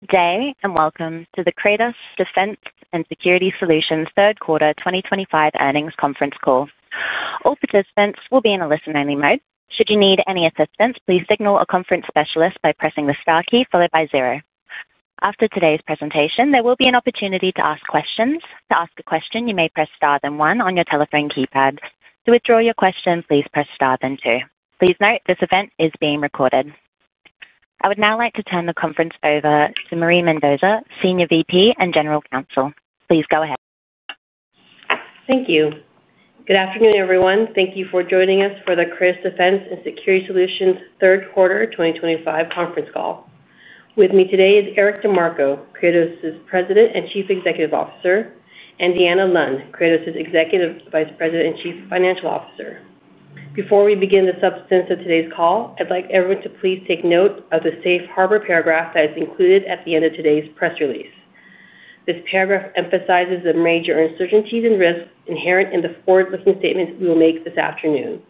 Today, and welcome to the Kratos Defense & Security Solutions third quarter 2025 earnings conference call. All participants will be in a listen-only mode. Should you need any assistance, please signal a conference specialist by pressing the star key followed by zero. After today's presentation, there will be an opportunity to ask questions. To ask a question, you may press star then one on your telephone keypad. To withdraw your question, please press star then two. Please note this event is being recorded. I would now like to turn the conference over to Marie Mendoza, Senior VP and General Counsel. Please go ahead. Thank you. Good afternoon, everyone. Thank you for joining us for the Kratos Defense & Security Solutions third quarter 2025 conference call. With me today is Eric DeMarco, Kratos' President and Chief Executive Officer, and Deanna Lund, Kratos' Executive Vice President and Chief Financial Officer. Before we begin the substance of today's call, I'd like everyone to please take note of the safe harbor paragraph that is included at the end of today's press release. This paragraph emphasizes the major uncertainties and risks inherent in the forward-looking statements we will make this afternoon.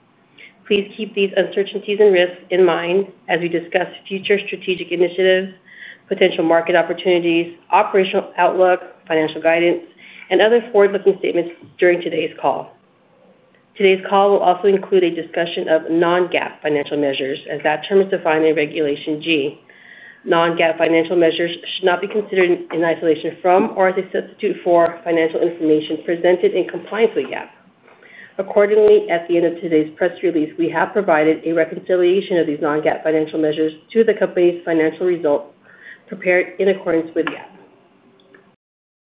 Please keep these uncertainties and risks in mind as we discuss future strategic initiatives, potential market opportunities, operational outlook, financial guidance, and other forward-looking statements during today's call. Today's call will also include a discussion of non-GAAP financial measures, as that term is defined in Regulation G. Non-GAAP financial measures should not be considered in isolation from or as a substitute for financial information presented in compliance with GAAP. Accordingly, at the end of today's press release, we have provided a reconciliation of these non-GAAP financial measures to the company's financial results prepared in accordance with GAAP.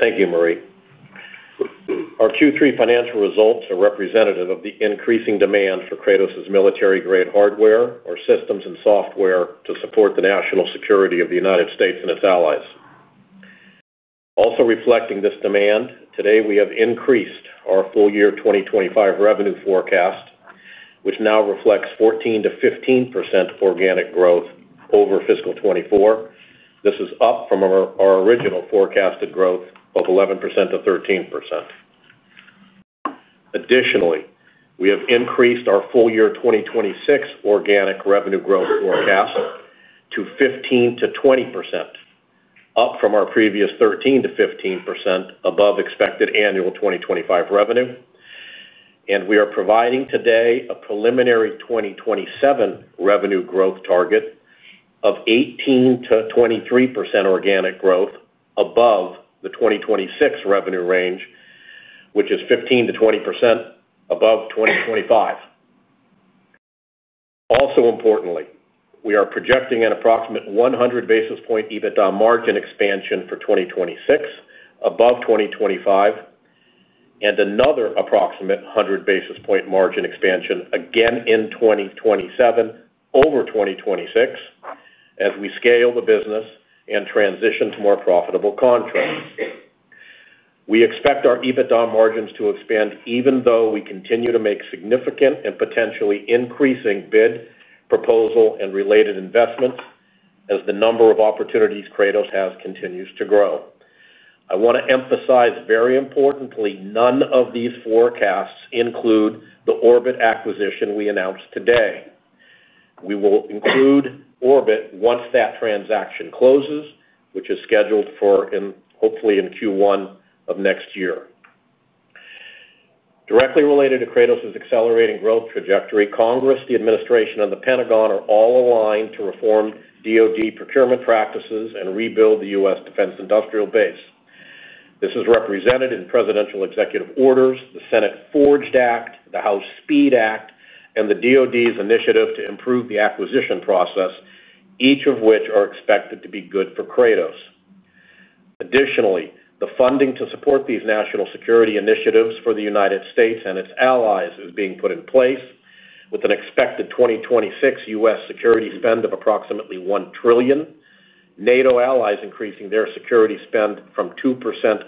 Thank you, Marie. Our Q3 financial results are representative of the increasing demand for Kratos' military-grade hardware or systems and software to support the national security of the United States and its allies. Also reflecting this demand, today we have increased our full-year 2025 revenue forecast, which now reflects 14%-15% organic growth over fiscal 2024. This is up from our original forecasted growth of 11%-13%. Additionally, we have increased our full-year 2026 organic revenue growth forecast to 15%-20%. Up from our previous 13%-15% above expected annual 2025 revenue. And we are providing today a preliminary 2027 revenue growth target of 18%-23% organic growth above the 2026 revenue range, which is 15%-20% above 2025. Also importantly, we are projecting an approximate 100 basis point EBITDA margin expansion for 2026 above 2025. And another approximate 100 basis point margin expansion again in 2027 over 2026. As we scale the business and transition to more profitable contracts. We expect our EBITDA margins to expand even though we continue to make significant and potentially increasing bid, proposal, and related investments as the number of opportunities Kratos has continues to grow. I want to emphasize very importantly, none of these forecasts include the Orbit acquisition we announced today. We will include Orbit once that transaction closes, which is scheduled for hopefully in Q1 of next year. Directly related to Kratos' accelerating growth trajectory, Congress, the administration, and the Pentagon are all aligned to reform DoD procurement practices and rebuild the U.S. defense industrial base. This is represented in presidential executive orders, the Senate Forged Act, the House Speed Act, and the DoD's initiative to improve the acquisition process. Each of which are expected to be good for Kratos. Additionally, the funding to support these national security initiatives for the United States and its allies is being put in place with an expected 2026 U.S. security spend of approximately $1 trillion, NATO allies increasing their security spend from 2%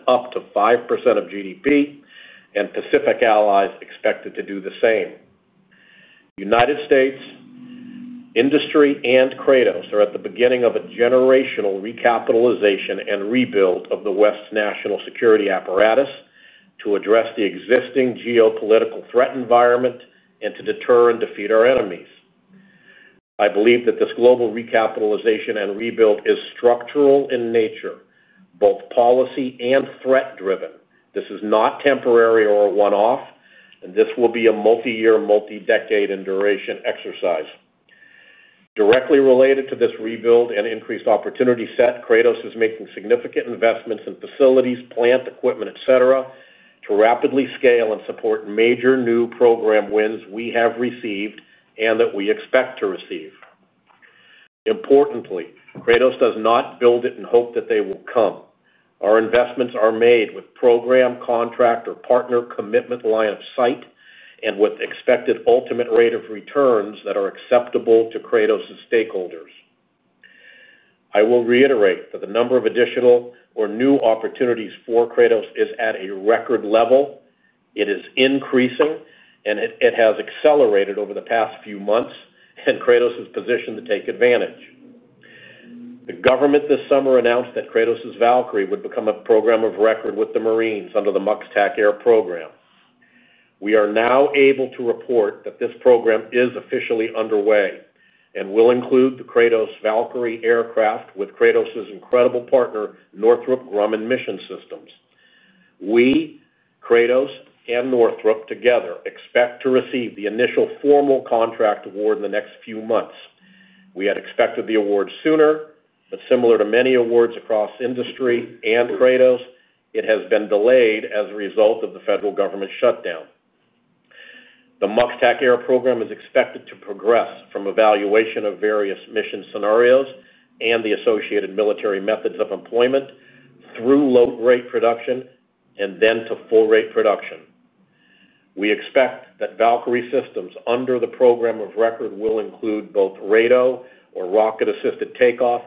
up to 5% of GDP, and Pacific allies expected to do the same. United States, industry, and Kratos are at the beginning of a generational recapitalization and rebuild of the West's national security apparatus to address the existing geopolitical threat environment and to deter and defeat our enemies. I believe that this global recapitalization and rebuild is structural in nature, both policy and threat-driven. This is not temporary or a one-off, and this will be a multi-year, multi-decade in duration exercise. Directly related to this rebuild and increased opportunity set, Kratos is making significant investments in facilities, plant equipment, etc., to rapidly scale and support major new program wins we have received and that we expect to receive. Importantly, Kratos does not build it in hope that they will come. Our investments are made with program, contract, or partner commitment line of sight and with expected ultimate rate of returns that are acceptable to Kratos' stakeholders. I will reiterate that the number of additional or new opportunities for Kratos is at a record level. It is increasing, and it has accelerated over the past few months, and Kratos is positioned to take advantage. The government this summer announced that Kratos' Valkyrie would become a program of record with the Marines under the MUX TACAIR program. We are now able to report that this program is officially underway and will include the Kratos' Valkyrie aircraft with Kratos' incredible partner, Northrop Grumman Mission Systems. We, Kratos and Northrop together, expect to receive the initial formal contract award in the next few months. We had expected the award sooner, but similar to many awards across industry and Kratos, it has been delayed as a result of the federal government shutdown. The MUX TACAIR program is expected to progress from evaluation of various mission scenarios and the associated military methods of employment through low-rate production and then to full-rate production. We expect that Valkyrie systems under the program of record will include both RATO or Rocket-Assisted Take-Off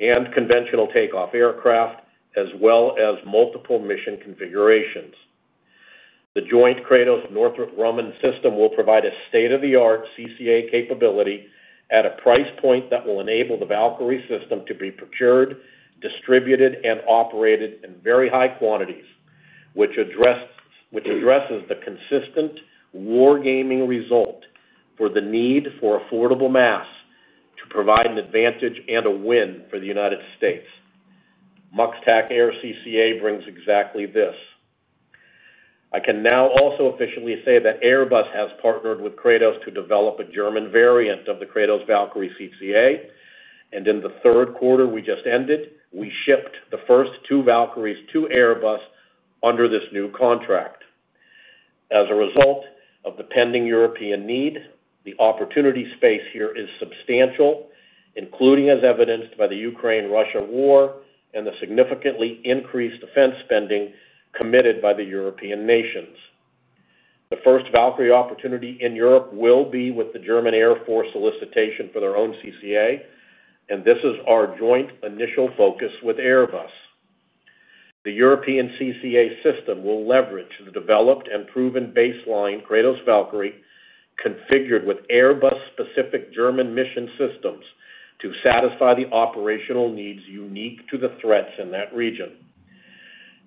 and conventional takeoff aircraft, as well as multiple mission configurations. The joint Kratos-Northrop Grumman system will provide a state-of-the-art CCA capability at a price point that will enable the Valkyrie system to be procured, distributed, and operated in very high quantities, which addresses the consistent war gaming result for the need for affordable mass to provide an advantage and a win for the United States. MUX TACAIR CCA brings exactly this. I can now also officially say that Airbus has partnered with Kratos to develop a German variant of the Kratos Valkyrie CCA, and in the third quarter we just ended, we shipped the first two Valkyries to Airbus under this new contract. As a result of the pending European need, the opportunity space here is substantial, including as evidenced by the Ukraine-Russia war and the significantly increased defense spending committed by the European nations. The first Valkyrie opportunity in Europe will be with the German Air Force solicitation for their own CCA, and this is our joint initial focus with Airbus. The European CCA system will leverage the developed and proven baseline Kratos Valkyrie configured with Airbus-specific German mission systems to satisfy the operational needs unique to the threats in that region.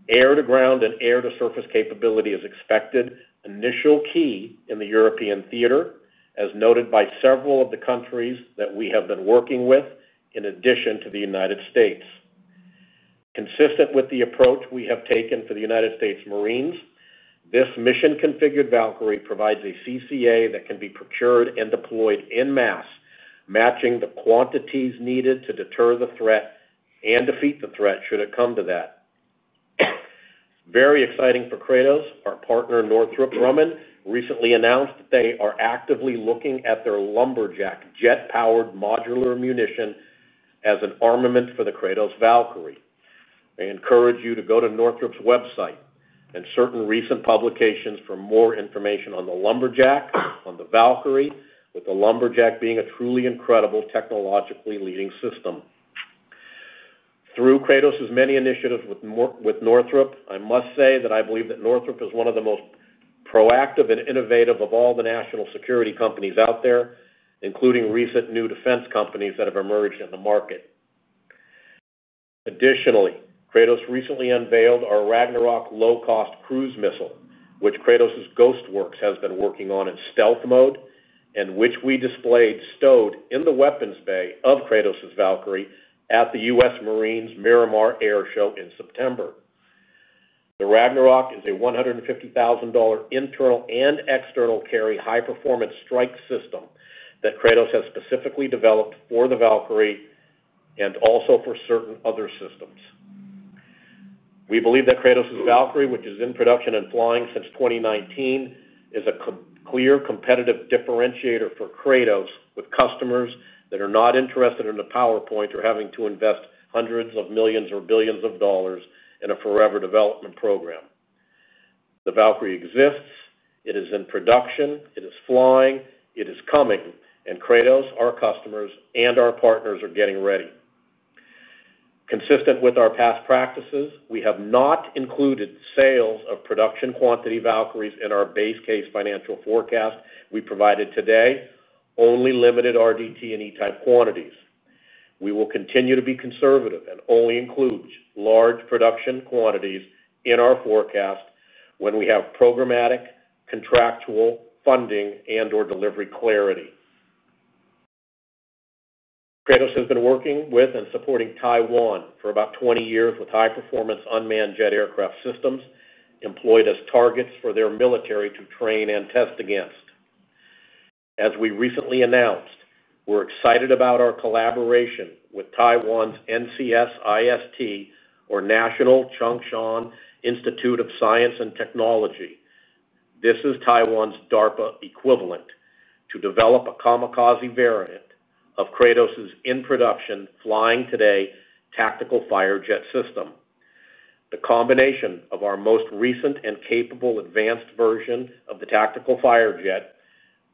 Air-to-ground and air-to-surface capability is expected initial key in the European theater, as noted by several of the countries that we have been working with, in addition to the United States. Consistent with the approach we have taken for the United States Marines, this mission-configured Valkyrie provides a CCA that can be procured and deployed en masse, matching the quantities needed to deter the threat and defeat the threat should it come to that. Very exciting for Kratos, our partner Northrop Grumman recently announced that they are actively looking at their Lumberjack jet-powered modular munition as an armament for the Kratos' Valkyrie. I encourage you to go to Northrop's website and certain recent publications for more information on the Lumberjack, on the Valkyrie, with the Lumberjack being a truly incredible technologically leading system. Through Kratos' many initiatives with Northrop, I must say that I believe that Northrop is one of the most proactive and innovative of all the national security companies out there, including recent new defense companies that have emerged in the market. Additionally, Kratos recently unveiled our Ragnarök low-cost cruise missile, which Kratos' Ghostworks has been working on in stealth mode and which we displayed stowed in the weapons bay of Kratos' Valkyrie at the U.S. Marines Miramar Air Show in September. The Ragnarök is a $150,000 internal and external carry high-performance strike system that Kratos has specifically developed for the Valkyrie and also for certain other systems. We believe that Kratos' Valkyrie, which is in production and flying since 2019, is a clear competitive differentiator for Kratos with customers that are not interested in a PowerPoint or having to invest hundreds of millions or billions of dollars in a forever development program. The Valkyrie exists. It is in production. It is flying. It is coming. And Kratos, our customers, and our partners are getting ready. Consistent with our past practices, we have not included sales of production quantity Valkyries in our base case financial forecast we provided today, only limited RDT&E quantities. We will continue to be conservative and only include large production quantities in our forecast when we have programmatic contractual funding and/or delivery clarity. Kratos has been working with and supporting Taiwan for about 20 years with high-performance unmanned jet aircraft systems employed as targets for their military to train and test against. As we recently announced, we're excited about our collaboration with Taiwan's NCSIST, or National Chung-Shan Institute of Science and Technology. This is Taiwan's DARPA equivalent to develop a kamikaze variant of Kratos' in-production flying today Tactical Firejet system. The combination of our most recent and capable advanced version of the Tactical Fire Jet,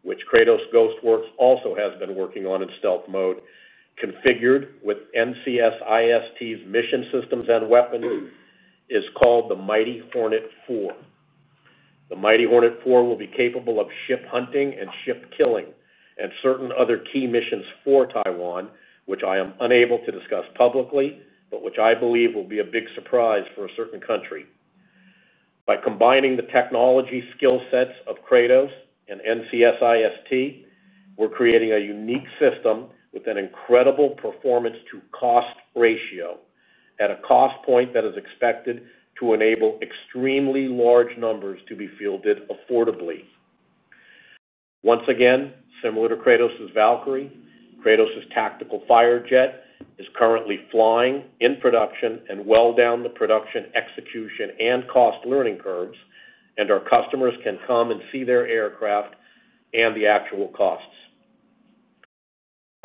which Kratos Ghostworks also has been working on in stealth mode, configured with NCSIST's mission systems and weapons, is called the Mighty Hornet 4. The Mighty Hornet 4 will be capable of ship hunting and ship killing and certain other key missions for Taiwan, which I am unable to discuss publicly, but which I believe will be a big surprise for a certain country. By combining the technology skill sets of Kratos and NCSIST, we're creating a unique system with an incredible performance-to-cost ratio at a cost point that is expected to enable extremely large numbers to be fielded affordably. Once again, similar to Kratos' Valkyrie, Kratos' Tactical Firejet is currently flying in production and well down the production execution and cost learning curves, and our customers can come and see their aircraft and the actual costs.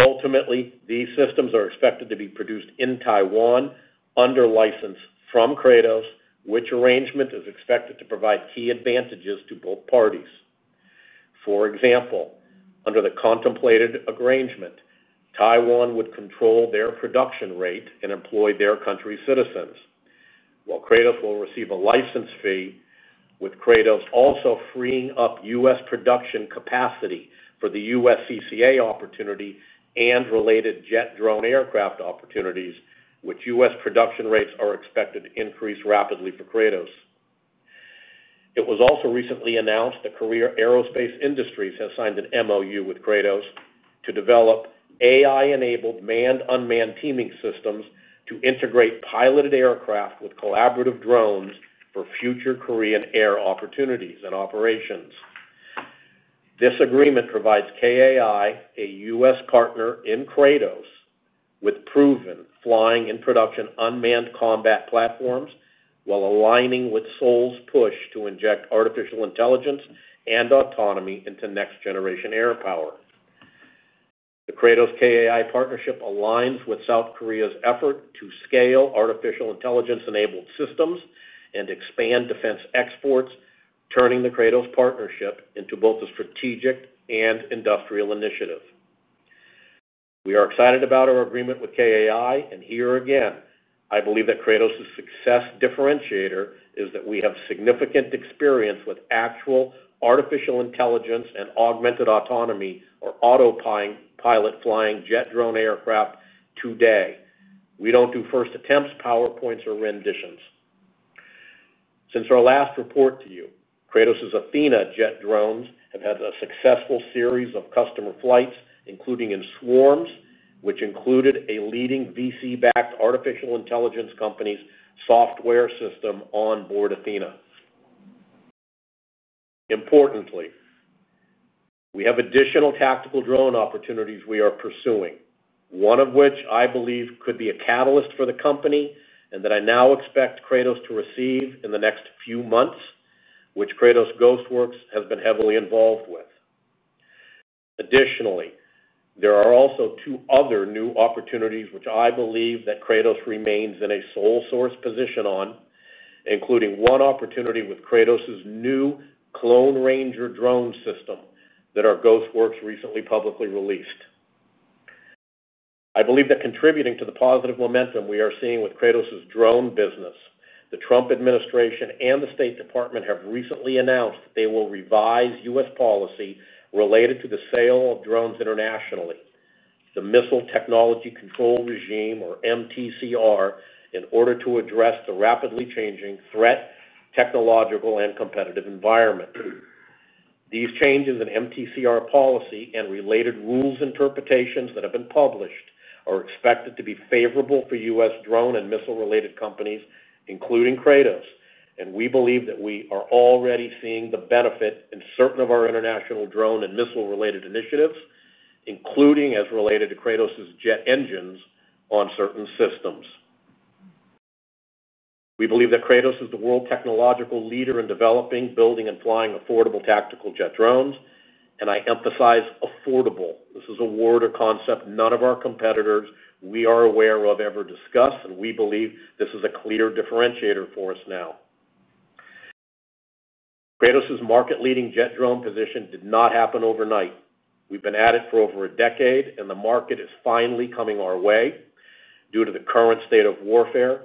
Ultimately, these systems are expected to be produced in Taiwan under license from Kratos, which arrangement is expected to provide key advantages to both parties. For example, under the contemplated arrangement, Taiwan would control their production rate and employ their country's citizens, while Kratos will receive a license fee, with Kratos also freeing up U.S. production capacity for the U.S. CCA opportunity and related jet drone aircraft opportunities, which U.S. production rates are expected to increase rapidly for Kratos. It was also recently announced that Korea Aerospace Industries has signed an MOU with Kratos to develop AI-enabled manned-unmanned teaming systems to integrate piloted aircraft with collaborative drones for future Korean air opportunities and operations. This agreement provides KAI, a U.S. partner in Kratos, with proven flying in production unmanned combat platforms while aligning with Seoul's push to inject artificial intelligence and autonomy into next-generation air power. The Kratos-KAI partnership aligns with South Korea's effort to scale artificial intelligence-enabled systems and expand defense exports, turning the Kratos partnership into both a strategic and industrial initiative. We are excited about our agreement with KAI, and here again, I believe that Kratos' success differentiator is that we have significant experience with actual artificial intelligence and augmented autonomy or autopilot flying jet drone aircraft today. We don't do first attempts, PowerPoints, or renditions. Since our last report to you, Kratos' Athena jet drones have had a successful series of customer flights, including in swarms, which included a leading VC-backed artificial intelligence company's software system onboard Athena. Importantly, we have additional tactical drone opportunities we are pursuing, one of which I believe could be a catalyst for the company and that I now expect Kratos to receive in the next few months, which Kratos' Ghostworks has been heavily involved with. Additionally, there are also two other new opportunities which I believe that Kratos remains in a sole source position on, including one opportunity with Kratos' new Clone Ranger drone system that our Ghostworks recently publicly released. I believe that contributing to the positive momentum we are seeing with Kratos' drone business, the Trump administration and the State Department have recently announced that they will revise U.S. policy related to the sale of drones internationally, the Missile Technology Control Regime, or MTCR, in order to address the rapidly changing threat technological and competitive environment. These changes in MTCR policy and related rules interpretations that have been published are expected to be favorable for U.S. drone and missile-related companies, including Kratos, and we believe that we are already seeing the benefit in certain of our international drone and missile-related initiatives, including as related to Kratos' jet engines on certain systems. We believe that Kratos is the world technological leader in developing, building, and flying affordable tactical jet drones, and I emphasize affordable. This is a word or concept none of our competitors we are aware of ever discussed, and we believe this is a clear differentiator for us now. Kratos' market-leading jet drone position did not happen overnight. We've been at it for over a decade, and the market is finally coming our way. Due to the current state of warfare,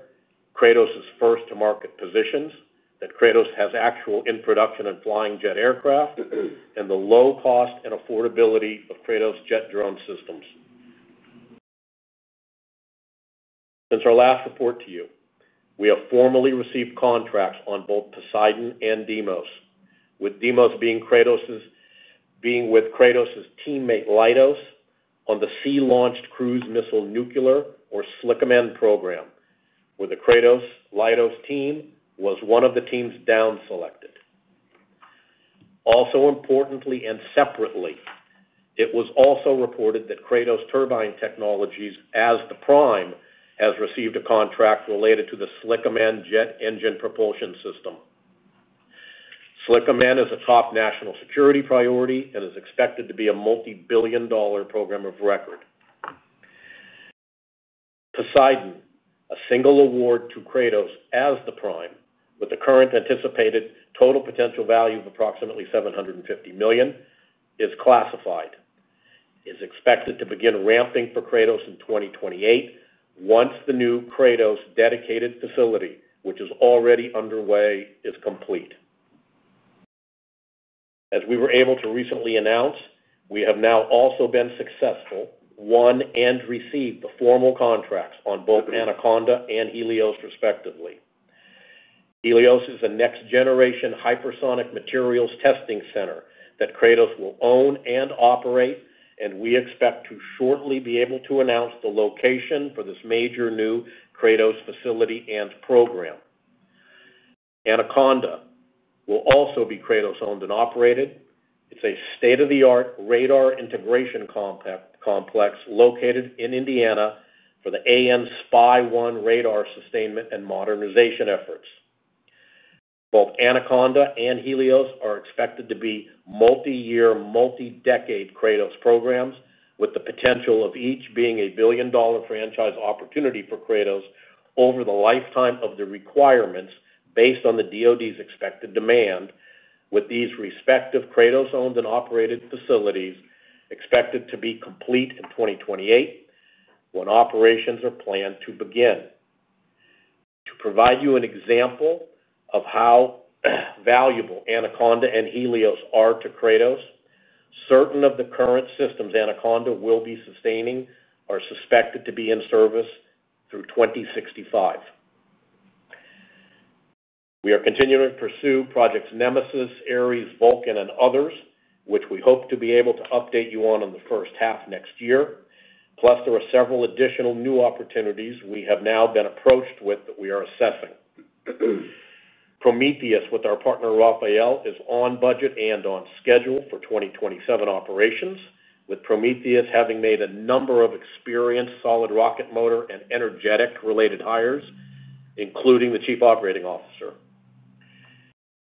Kratos is first to market positions that Kratos has actual in-production and flying jet aircraft and the low cost and affordability of Kratos' jet drone systems. Since our last report to you, we have formally received contracts on both Poseidon and Deimos, with Deimos being Kratos' teammate Leidos on the Sea-Launched Cruise Missile-Nuclear or SLECM-N program, where the Kratos-Lytos team was one of the teams down-selected. Also importantly and separately, it was also reported that Kratos Turbine Technologies, as the prime, has received a contract related to the SLECM-N jet engine propulsion system. SLECM-N is a top national security priority and is expected to be a multi-billion dollar program of record. Poseidon, a single award to Kratos as the prime, with the current anticipated total potential value of approximately $750 million, is classified. It is expected to begin ramping for Kratos in 2028 once the new Kratos dedicated facility, which is already underway, is complete. As we were able to recently announce, we have now also been successful, won and received the formal contracts on both Anaconda and Helios respectively. Helios is a next-generation hypersonic materials testing center that Kratos will own and operate, and we expect to shortly be able to announce the location for this major new Kratos facility and program. Anaconda will also be Kratos-owned and operated. It's a state-of-the-art radar integration complex located in Indiana for the AN/SPY-1 radar sustainment and modernization efforts. Both Anaconda and Helios are expected to be multi-year, multi-decade Kratos programs, with the potential of each being a billion-dollar franchise opportunity for Kratos over the lifetime of the requirements based on the DoD's expected demand, with these respective Kratos-owned and operated facilities expected to be complete in 2028 when operations are planned to begin. To provide you an example of how valuable Anaconda and Helios are to Kratos, certain of the current systems Anaconda will be sustaining are suspected to be in service through 2065. We are continuing to pursue Projects Nemesis, ARES, Vulcan, and others, which we hope to be able to update you on in the first half next year. Plus, there are several additional new opportunities we have now been approached with that we are assessing. Prometheus, with our partner RAFAEL, is on budget and on schedule for 2027 operations, with Prometheus having made a number of experienced solid rocket motor and energetic-related hires, including the chief operating officer.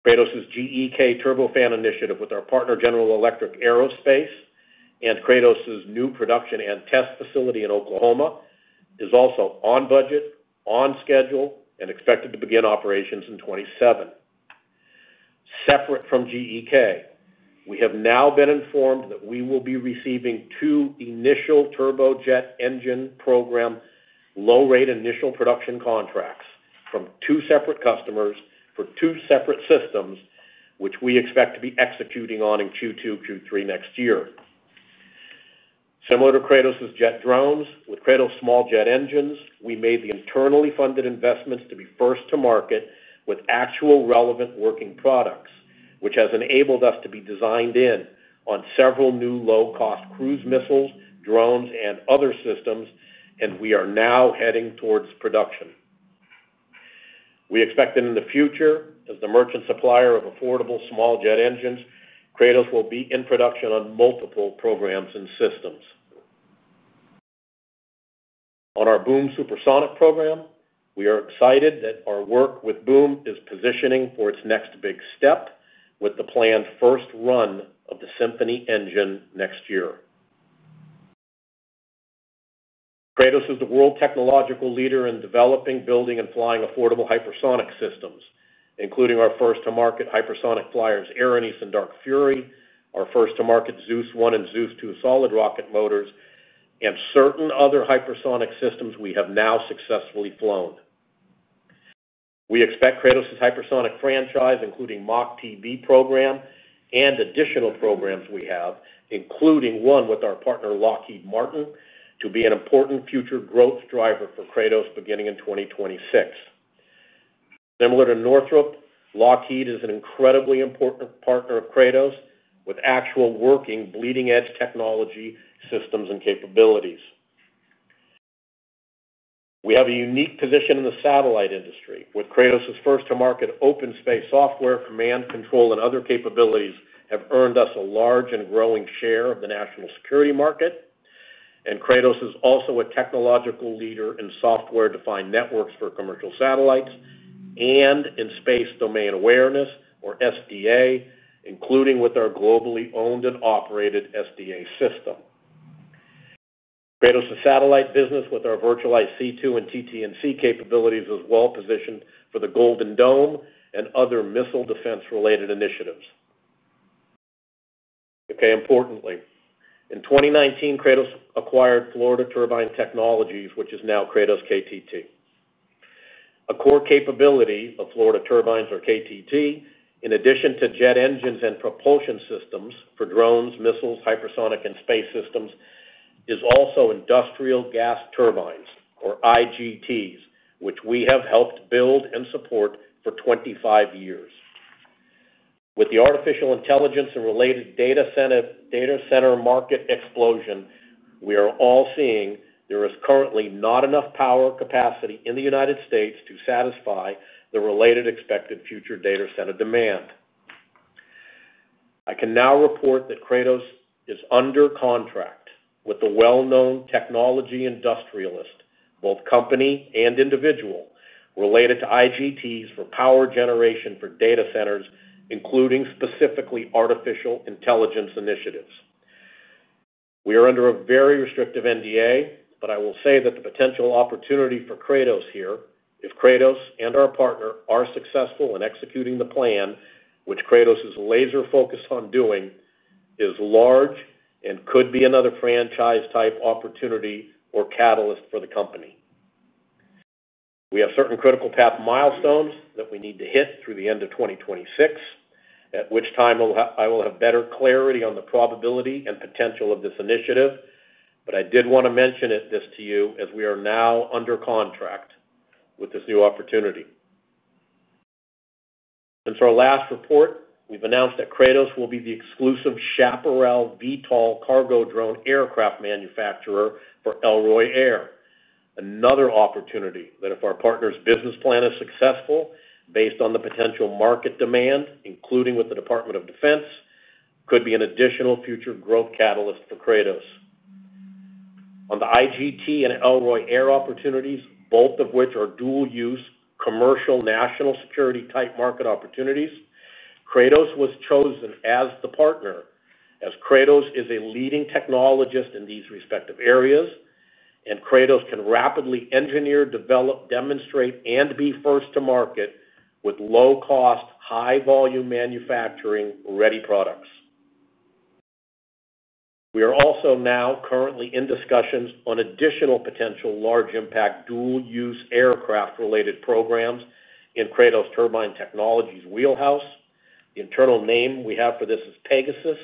Kratos' GEK Turbofan initiative, with our partner General Electric Aerospace and Kratos' new production and test facility in Oklahoma, is also on budget, on schedule, and expected to begin operations in 2027. Separate from GEK, we have now been informed that we will be receiving two initial turbojet engine programs. Low-rate initial production contracts from two separate customers for two separate systems, which we expect to be executing on in Q2, Q3 next year. Similar to Kratos' jet drones, with Kratos small jet engines, we made the internally funded investments to be first-to-market with actual relevant working products, which has enabled us to be designed in on several new low-cost cruise missiles, drones, and other systems, and we are now heading towards production. We expect that in the future, as the merchant supplier of affordable small jet engines, Kratos will be in production on multiple programs and systems. On our Boom Supersonic program, we are excited that our work with Boom is positioning for its next big step, with the planned first run of the Symphony engine next year. Kratos is the world technological leader in developing, building, and flying affordable hypersonic systems, including our first-to-market hypersonic flyers Arranes and Dark Fury, our first-to-market Zeus 1 and Zeus 2 solid rocket motors, and certain other hypersonic systems we have now successfully flown. We expect Kratos' hypersonic franchise, including MTB program and additional programs we have, including one with our partner Lockheed Martin, to be an important future growth driver for Kratos beginning in 2026. Similar to Northrop, Lockheed is an incredibly important partner of Kratos, with actual working bleeding-edge technology systems and capabilities. We have a unique position in the satellite industry, with Kratos' first-to-market OpenSpace software, command control, and other capabilities that have earned us a large and growing share of the national security market, and Kratos is also a technological leader in software-defined networks for commercial satellites and in Space Domain Awareness, or SDA, including with our globally owned and operated SDA system. Kratos' satellite business, with our virtualized C2 and TT&C capabilities, is well positioned for the Golden Dome and other missile defense-related initiatives. Okay, importantly, in 2019, Kratos acquired Florida Turbine Technologies, which is now Kratos KTT. A core capability of Florida Turbines or KTT, in addition to jet engines and propulsion systems for drones, missiles, hypersonic, and space systems, is also industrial gas turbines, or IGTs, which we have helped build and support for 25 years. With the artificial intelligence and related data center market explosion, we are all seeing there is currently not enough power capacity in the United States to satisfy the related expected future data center demand. I can now report that Kratos is under contract with the well-known technology industrialist, both company and individual, related to IGTs for power generation for data centers, including specifically artificial intelligence initiatives. We are under a very restrictive NDA, but I will say that the potential opportunity for Kratos here, if Kratos and our partner are successful in executing the plan, which Kratos is laser-focused on doing, is large and could be another franchise-type opportunity or catalyst for the company. We have certain critical path milestones that we need to hit through the end of 2026. At which time I will have better clarity on the probability and potential of this initiative, but I did want to mention this to you as we are now under contract with this new opportunity. Since our last report, we've announced that Kratos will be the exclusive Chaparral VTOL cargo drone aircraft manufacturer for Elroy Air. Another opportunity that, if our partner's business plan is successful, based on the potential market demand, including with the Department of Defense, could be an additional future growth catalyst for Kratos. On the IGT and Elroy Air opportunities, both of which are dual-use commercial national security-type market opportunities, Kratos was chosen as the partner as Kratos is a leading technologist in these respective areas, and Kratos can rapidly engineer, develop, demonstrate, and be first to market with low-cost, high-volume manufacturing-ready products. We are also now currently in discussions on additional potential large-impact dual-use aircraft-related programs in Kratos Turbine Technologies' wheelhouse. The internal name we have for this is Pegasus,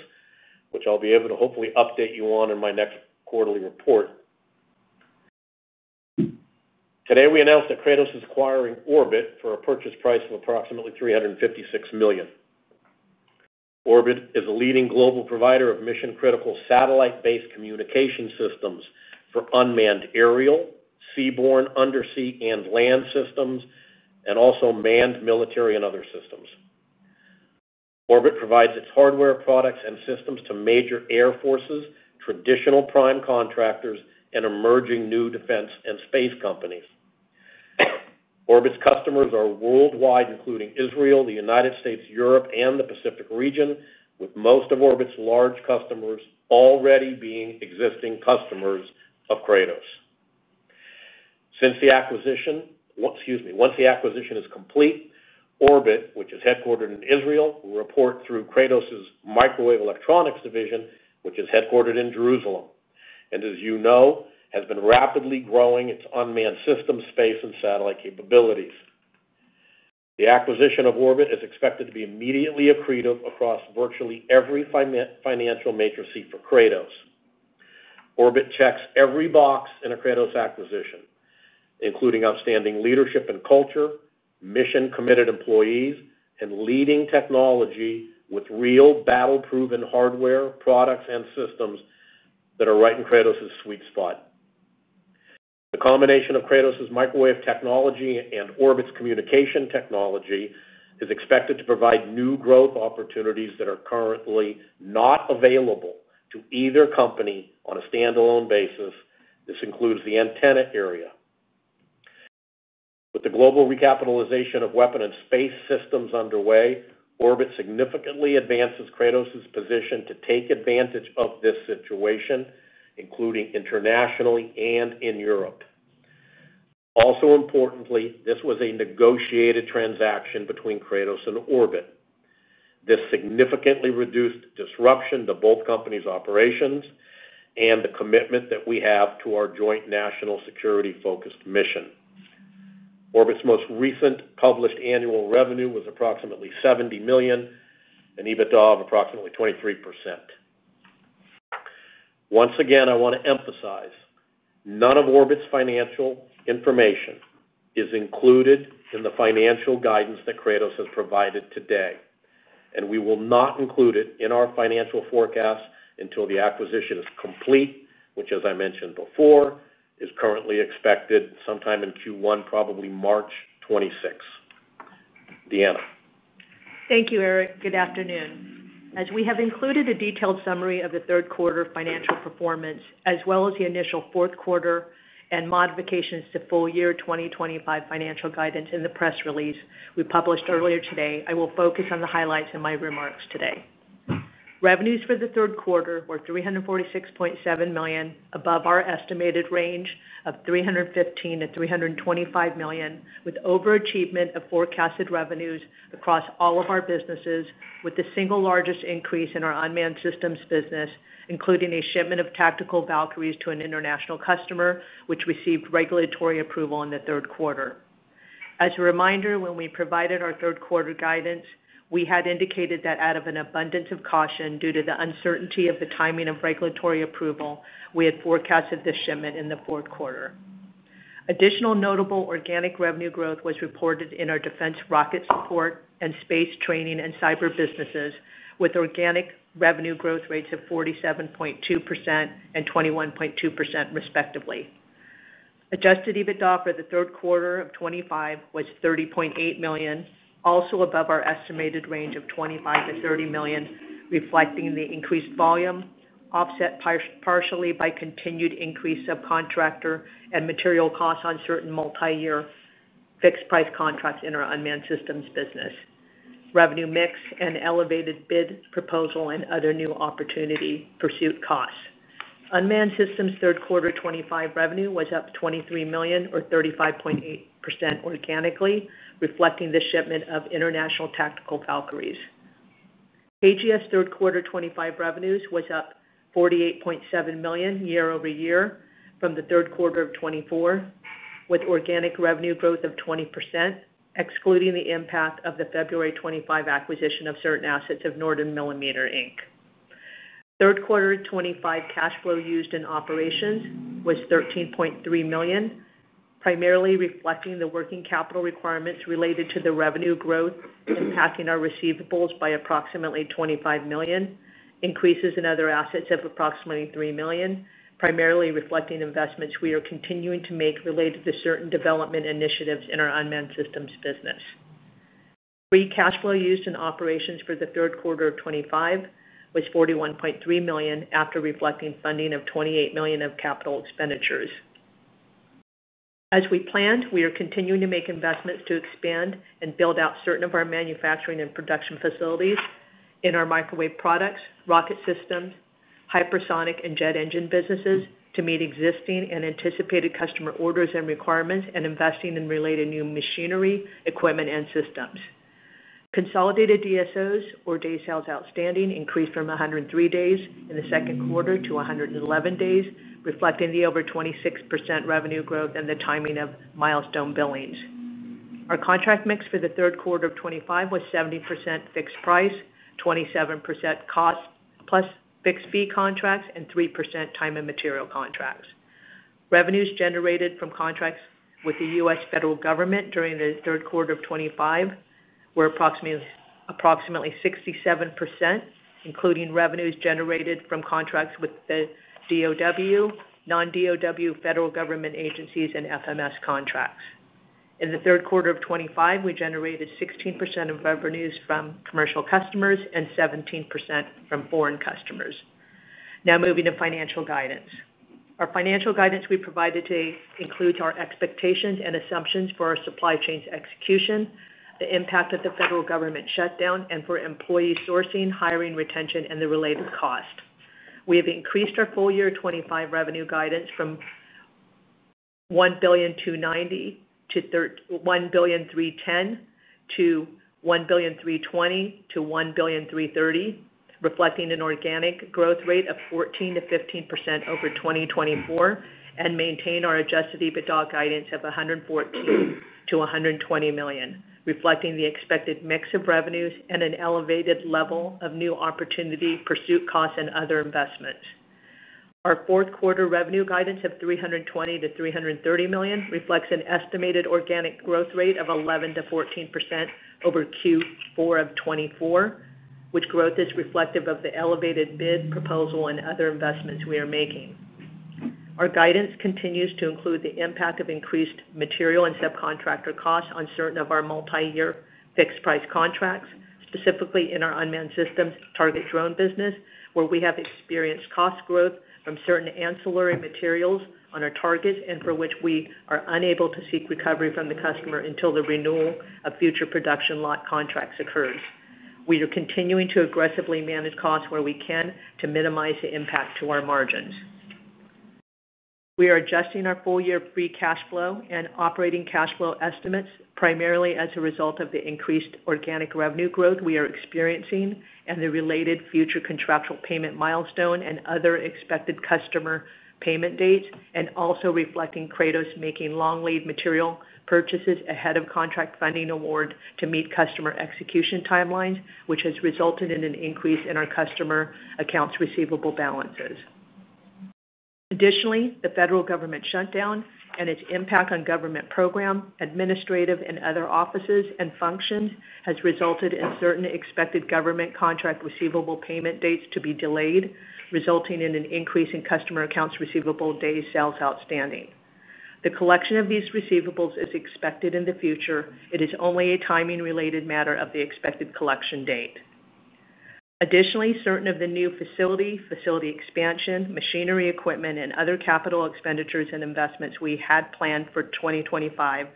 which I'll be able to hopefully update you on in my next quarterly report. Today, we announced that Kratos is acquiring Orbit for a purchase price of approximately $356 million. Orbit is a leading global provider of mission-critical satellite-based communication systems for unmanned aerial, seaborne, undersea, and land systems, and also manned military and other systems. Orbit provides its hardware products and systems to major air forces, traditional prime contractors, and emerging new defense and space companies. Orbit's customers are worldwide, including Israel, the United States, Europe, and the Pacific region, with most of Orbit's large customers already being existing customers of Kratos. Since the acquisition, excuse me, once the acquisition is complete, Orbit, which is headquartered in Israel, will report through Kratos' microwave electronics division, which is headquartered in Jerusalem, and, as you know, has been rapidly growing its unmanned systems, space, and satellite capabilities. The acquisition of Orbit is expected to be immediately accretive across virtually every financial matrix for Kratos. Orbit checks every box in a Kratos acquisition, including outstanding leadership and culture, mission-committed employees, and leading technology with real battle-proven hardware, products, and systems that are right in Kratos' sweet spot. The combination of Kratos' microwave technology and Orbit's communication technology is expected to provide new growth opportunities that are currently not available to either company on a standalone basis. This includes the antenna area. With the global recapitalization of weapon and space systems underway, Orbit significantly advances Kratos' position to take advantage of this situation, including internationally and in Europe. Also importantly, this was a negotiated transaction between Kratos and Orbit. This significantly reduced disruption to both companies' operations and the commitment that we have to our joint national security-focused mission. Orbit's most recent published annual revenue was approximately $70 million, an EBITDA of approximately 23%. Once again, I want to emphasize, none of Orbit's financial information is included in the financial guidance that Kratos has provided today, and we will not include it in our financial forecast until the acquisition is complete, which, as I mentioned before, is currently expected sometime in Q1, probably March 26. Deanna. Thank you, Eric. Good afternoon. As we have included a detailed summary of the third quarter financial performance, as well as the initial fourth quarter and modifications to full year 2025 financial guidance in the press release we published earlier today, I will focus on the highlights in my remarks today. Revenues for the third quarter were $346.7 million above our estimated range of $315 million-$325 million, with overachievement of forecasted revenues across all of our businesses, with the single largest increase in our unmanned systems business, including a shipment of tactical Valkyries to an international customer, which received regulatory approval in the third quarter. As a reminder, when we provided our third quarter guidance, we had indicated that out of an abundance of caution due to the uncertainty of the timing of regulatory approval, we had forecasted this shipment in the fourth quarter. Additional notable organic revenue growth was reported in our defense rocket support and space training and cyber businesses, with organic revenue growth rates of 47.2% and 21.2%, respectively. Adjusted EBITDA for the third quarter of 2025 was $30.8 million, also above our estimated range of $25 million-$30 million, reflecting the increased volume, offset partially by continued increase of contractor and material costs on certain multi-year fixed-price contracts in our unmanned systems business. Revenue mix and elevated bid proposal and other new opportunity pursuit costs. Unmanned systems third quarter 2025 revenue was up $23 million, or 35.8% organically, reflecting the shipment of international tactical Valkyries. KGS third quarter 2025 revenues was up $48.7 million year-over-year from the third quarter of 2024, with organic revenue growth of 20%, excluding the impact of the February 2025 acquisition of certain assets of Norden Millimeter, Inc. Third quarter 2025 cash flow used in operations was $13.3 million, primarily reflecting the working capital requirements related to the revenue growth impacting our receivables by approximately $25 million, increases in other assets of approximately $3 million, primarily reflecting investments we are continuing to make related to certain development initiatives in our unmanned systems business. Free cash flow used in operations for the third quarter of 2025 was $41.3 million after reflecting funding of $28 million of capital expenditures. As we planned, we are continuing to make investments to expand and build out certain of our manufacturing and production facilities in our microwave products, rocket systems, hypersonic, and jet engine businesses to meet existing and anticipated customer orders and requirements and investing in related new machinery, equipment, and systems. Consolidated DSOs, or Days Sales oOutstanding, increased from 103 days in the second quarter to 111 days, reflecting the over 26% revenue growth and the timing of milestone billings. Our contract mix for the third quarter of 2025 was 70% fixed price, 27% cost plus fixed fee contracts, and 3% time and material contracts. Revenues generated from contracts with the U.S. federal government during the third quarter of 2025 were approximately 67%, including revenues generated from contracts with the DoD non-DoD federal government agencies, and FMS contracts. In the third quarter of 2025, we generated 16% of revenues from commercial customers and 17% from foreign customers. Now moving to financial guidance. Our financial guidance we provided today includes our expectations and assumptions for our supply chains execution, the impact of the federal government shutdown, and for employee sourcing, hiring retention, and the related cost. We have increased our full year 2025 revenue guidance from $1.310 billion to $1.330 billion, reflecting an organic growth rate of 14%-15% over 2024, and maintain our adjusted EBITDA guidance of $114 million-$120 million, reflecting the expected mix of revenues and an elevated level of new opportunity pursuit costs and other investments. Our fourth quarter revenue guidance of $320 million-$330 million reflects an estimated organic growth rate of 11%-14% over Q4 of 2024, which growth is reflective of the elevated bid proposal and other investments we are making. Our guidance continues to include the impact of increased material and subcontractor costs on certain of our multi-year fixed-price contracts, specifically in our unmanned systems target drone business, where we have experienced cost growth from certain ancillary materials on our targets and for which we are unable to seek recovery from the customer until the renewal of future production lot contracts occurs. We are continuing to aggressively manage costs where we can to minimize the impact to our margins. We are adjusting our full year free cash flow and operating cash flow estimates primarily as a result of the increased organic revenue growth we are experiencing and the related future contractual payment milestone and other expected customer payment dates, and also reflecting Kratos making long lead material purchases ahead of contract funding award to meet customer execution timelines, which has resulted in an increase in our customer accounts receivable balances. Additionally, the federal government shutdown and its impact on government program, administrative, and other offices and functions has resulted in certain expected government contract receivable payment dates to be delayed, resulting in an increase in customer accounts receivable days sales outstanding. The collection of these receivables is expected in the future. It is only a timing-related matter of the expected collection date. Additionally, certain of the new facility, facility expansion, machinery, equipment, and other capital expenditures and investments we had planned for 2025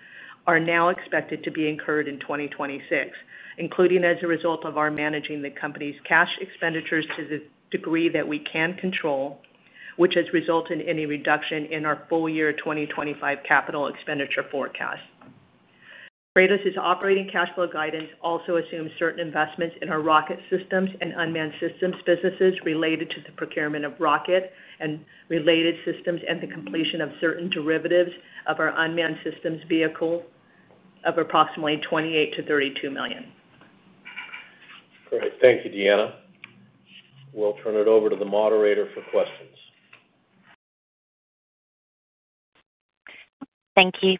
are now expected to be incurred in 2026, including as a result of our managing the company's cash expenditures to the degree that we can control, which has resulted in any reduction in our full-year 2025 capital expenditure forecast. Kratos' operating cash flow guidance also assumes certain investments in our rocket systems and unmanned systems businesses related to the procurement of rocket and related systems and the completion of certain derivatives of our unmanned systems vehicle of approximately $28 million-$32 million. Great. Thank you, Deanna. We'll turn it over to the moderator for questions. Thank you.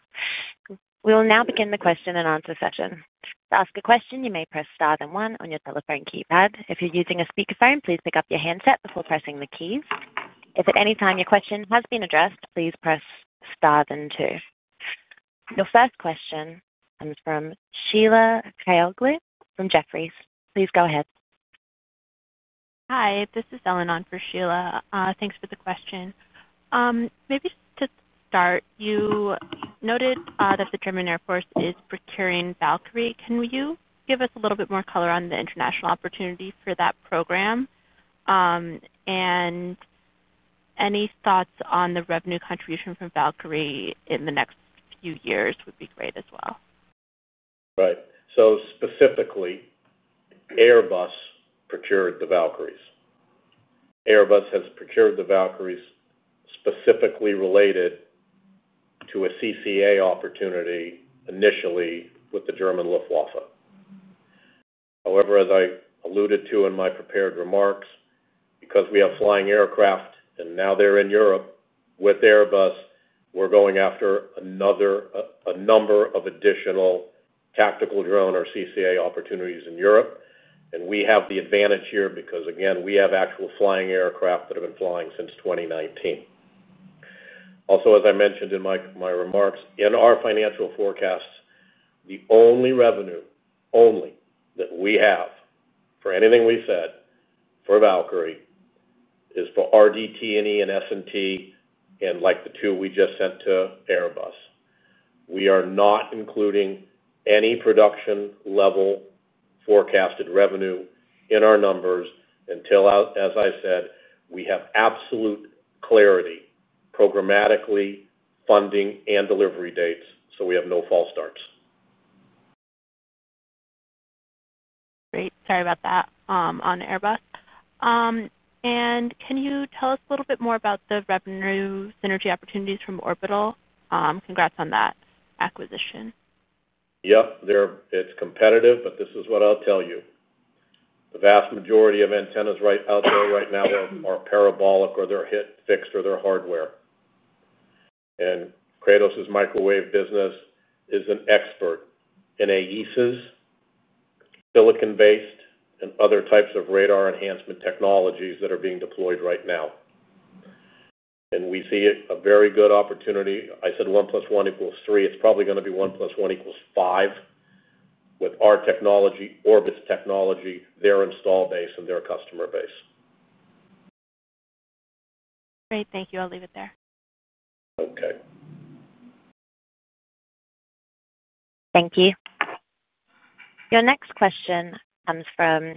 We will now begin the question and answer session. To ask a question, you may press star then one on your telephone keypad. If you're using a speakerphone, please pick up your handset before pressing the keys. If at any time your question has been addressed, please press star then two. Your first question comes from Sheila Kahyaoglu from Jefferies. Please go ahead. Hi, this is [Eleanor] for Sheila. Thanks for the question. Maybe to start, you noted that the German Air Force is procuring Valkyrie. Can you give us a little bit more color on the international opportunity for that program. And any thoughts on the revenue contribution from Valkyrie in the next few years would be great as well. Right. So specifically, Airbus procured the Valkyries. Airbus has procured the Valkyries specifically related to a CCA opportunity initially with the German Luftwaffe. However, as I alluded to in my prepared remarks, because we have flying aircraft and now they're in Europe with Airbus, we're going after a number of additional tactical drone or CCA opportunities in Europe. And we have the advantage here because, again, we have actual flying aircraft that have been flying since 2019. Also, as I mentioned in my remarks, in our financial forecasts, the only revenue that we have for anything we said for Valkyrie is for RDT&E and S&T and like the two we just sent to Airbus. We are not including any production-level forecasted revenue in our numbers until, as I said, we have absolute clarity programmatically, funding, and delivery dates, so we have no false starts. Great. Sorry about that on Airbus. And can you tell us a little bit more about the revenue synergy opportunities from Orbit? Congrats on that acquisition. Yep. It's competitive, but this is what I'll tell you. The vast majority of antennas out there right now are parabolic or they're hit fixed or they're hardware. And Kratos' microwave business is an expert in AESAs. Silicon-based, and other types of radar enhancement technologies that are being deployed right now. And we see a very good opportunity. I said 1 + 1 = 3. It's probably going to be 1 + 1 = 5. With our technology, Orbit's technology, their installed base, and their customer base. Great. Thank you. I'll leave it there. Okay. Thank you. Your next question comes from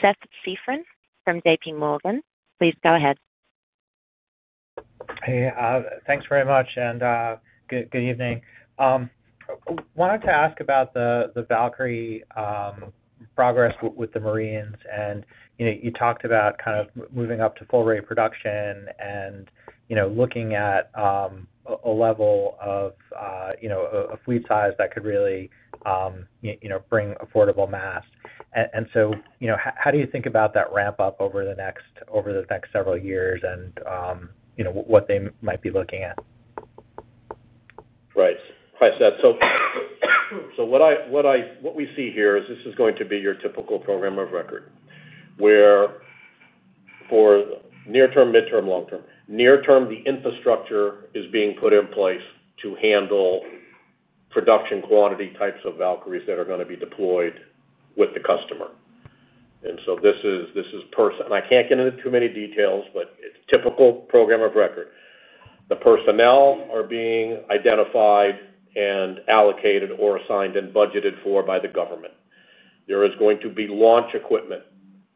Seth Seifman from JPMorgan. Please go ahead. Hey. Thanks very much and good evening. I wanted to ask about the Valkyrie progress with the Marines. And you talked about kind of moving up to full rate production and looking at a level of a fleet size that could really bring affordable mass. And so how do you think about that ramp-up over the next several years and what they might be looking at? Right. Hi, Seth. So what we see here is this is going to be your typical program of record where for near-term, mid-term, long-term near-term, the infrastructure is being put in place to handle production quantity types of Valkyries that are going to be deployed with the customer. And so this is per se and I can't get into too many details, but it's a typical program of record. The personnel are being identified and allocated or assigned and budgeted for by the government. There is going to be launch equipment.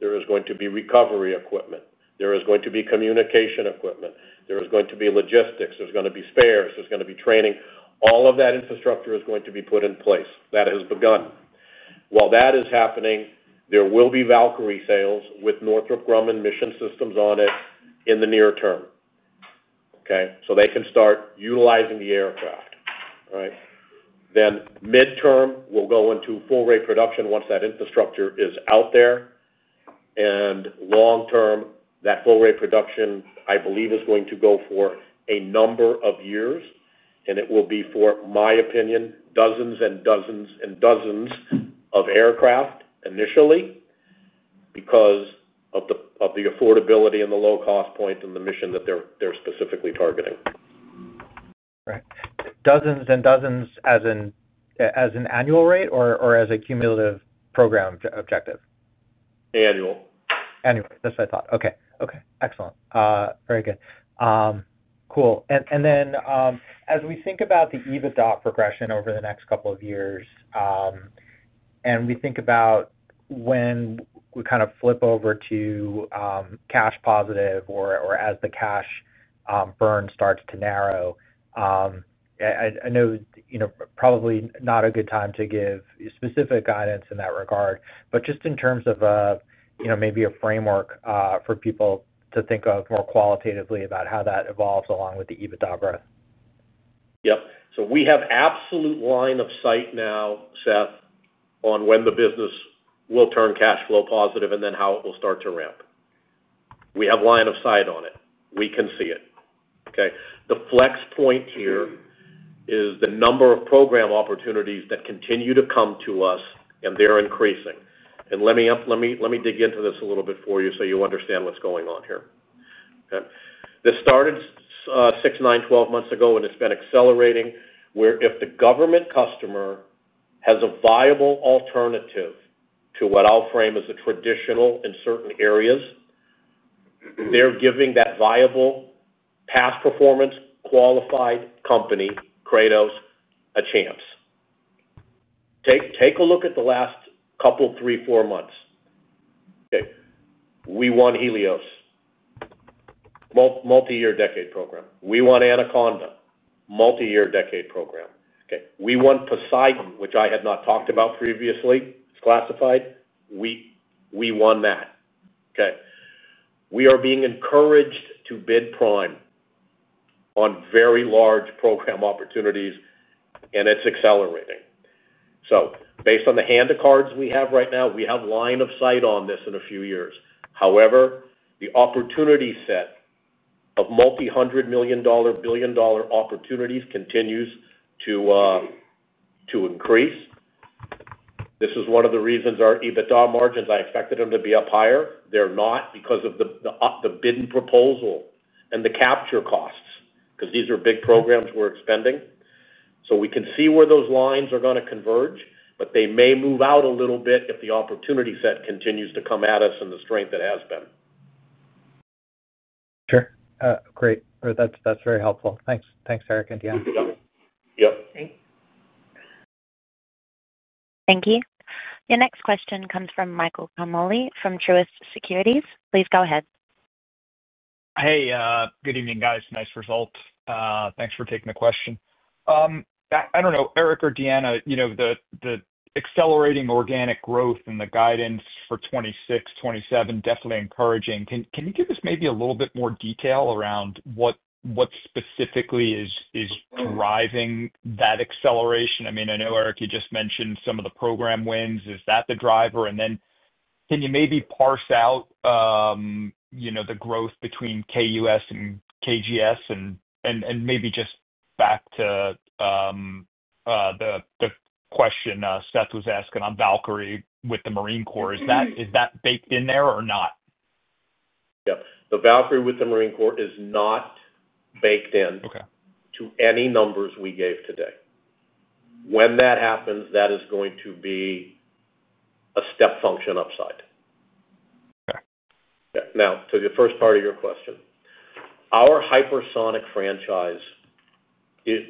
There is going to be recovery equipment. There is going to be communication equipment. There is going to be logistics. There's going to be spares. There's going to be training. All of that infrastructure is going to be put in place. That has begun. While that is happening, there will be Valkyrie sales with Northrop Grumman mission systems on it in the near term. Okay. So they can start utilizing the aircraft. All right? Then mid-term, we'll go into full rate production once that infrastructure is out there. And long-term, that full rate production, I believe, is going to go for a number of years. And it will be, for my opinion, dozens and dozens and dozens of aircraft initially. Because of the affordability and the low-cost point in the mission that they're specifically targeting. Right. Dozens and dozens as an annual rate or as a cumulative program objective? Annual. Annual. That's what I thought. Okay. Okay. Excellent. Very good. Cool. And then as we think about the EBITDA progression over the next couple of years and we think about when we kind of flip over to cash positive or as the cash burn starts to narrow. I know probably not a good time to give specific guidance in that regard, but just in terms of maybe a framework for people to think of more qualitatively about how that evolves along with the EBITDA growth. Yep. So we have absolute line of sight now, Seth, on when the business will turn cash flow positive and then how it will start to ramp. We have line of sight on it. We can see it. Okay. The flex point here is the number of program opportunities that continue to come to us, and they're increasing. Let me dig into this a little bit for you so you understand what's going on here. Okay. This started six, nine, 12 months ago, and it's been accelerating where if the government customer has a viable alternative to what I'll frame as a traditional in certain areas. They're giving that viable past-performance qualified company, Kratos, a chance. Take a look at the last couple, three, four months. Okay. We won Helios. Multi-year decade program. We won Anaconda, multi-year decade program. Okay. We won Poseidon, which I had not talked about previously. It's classified. We won that. Okay. We are being encouraged to bid prime on very large program opportunities, and it's accelerating. So based on the hand of cards we have right now, we have line of sight on this in a few years. However, the opportunity set of multi-hundred million dollar, billion dollar opportunities continues to increase. This is one of the reasons our EBITDA margins I expected them to be up higher. They're not because of the bid and proposal and the capture costs because these are big programs we're expending. So we can see where those lines are going to converge, but they may move out a little bit if the opportunity set continues to come at us in the strength it has been. Sure. Great. That's very helpful. Thanks, Eric again. Yep. Thank you. Your next question comes from Michael Ciarmoli from Truist Securities. Please go ahead. Hey. Good evening, guys. Nice results. Thanks for taking the question. I don't know, Eric or Deanna, the accelerating organic growth and the guidance for 2026, 2027, definitely encouraging. Can you give us maybe a little bit more detail around what specifically is driving that acceleration? I mean, I know, Eric, you just mentioned some of the program wins. Is that the driver? And then can you maybe parse out the growth between KUS and KGS and maybe just back to the question Seth was asking on Valkyrie with the Marine Corps? Is that baked in there or not? Yep. The Valkyrie with the Marine Corps is not baked into any numbers we gave today. When that happens, that is going to be a step function upside. Okay. Now, to the first part of your question. Our hypersonic franchise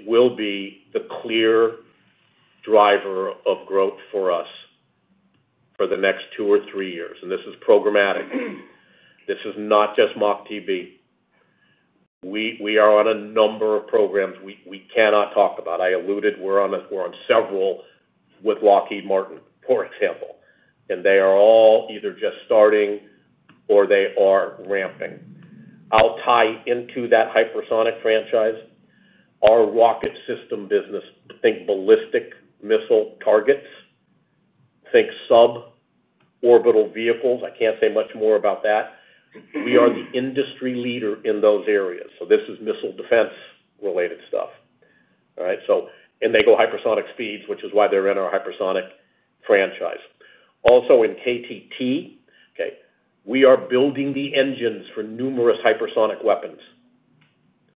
will be the clear driver of growth for us for the next two or three years. And this is programmatic. This is not just MACH-TB. We are on a number of programs we cannot talk about. I alluded we're on several with Lockheed Martin, for example. And they are all either just starting or they are ramping. I'll tie into that hypersonic franchise. Our rocket system business, think ballistic missile targets. Think suborbital vehicles. I can't say much more about that. We are the industry leader in those areas. So this is missile defense-related stuff. All right. And they go hypersonic speeds, which is why they're in our hypersonic franchise. Also, in KTT, okay, we are building the engines for numerous hypersonic weapons.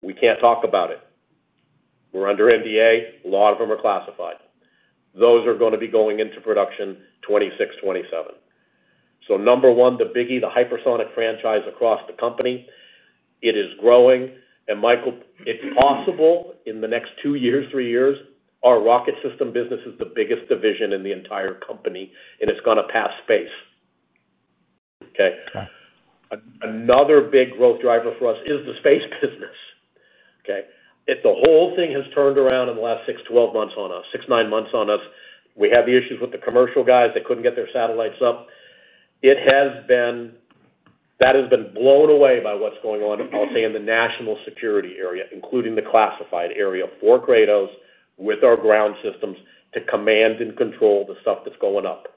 We can't talk about it. We're under NDA. A lot of them are classified. Those are going to be going into production 2026, 2027. So number one, the biggie, the hypersonic franchise across the company, it is growing. And Michael, it's possible in the next two years, three years, our rocket system business is the biggest division in the entire company, and it's going to pass space. Okay. Another big growth driver for us is the space business. Okay. The whole thing has turned around in the last six, 12 months on us, six, 9 months on us. We had the issues with the commercial guys. They couldn't get their satellites up. That has been blown away by what's going on, I'll say, in the national security area, including the classified area for Kratos with our ground systems to command and control the stuff that's going up.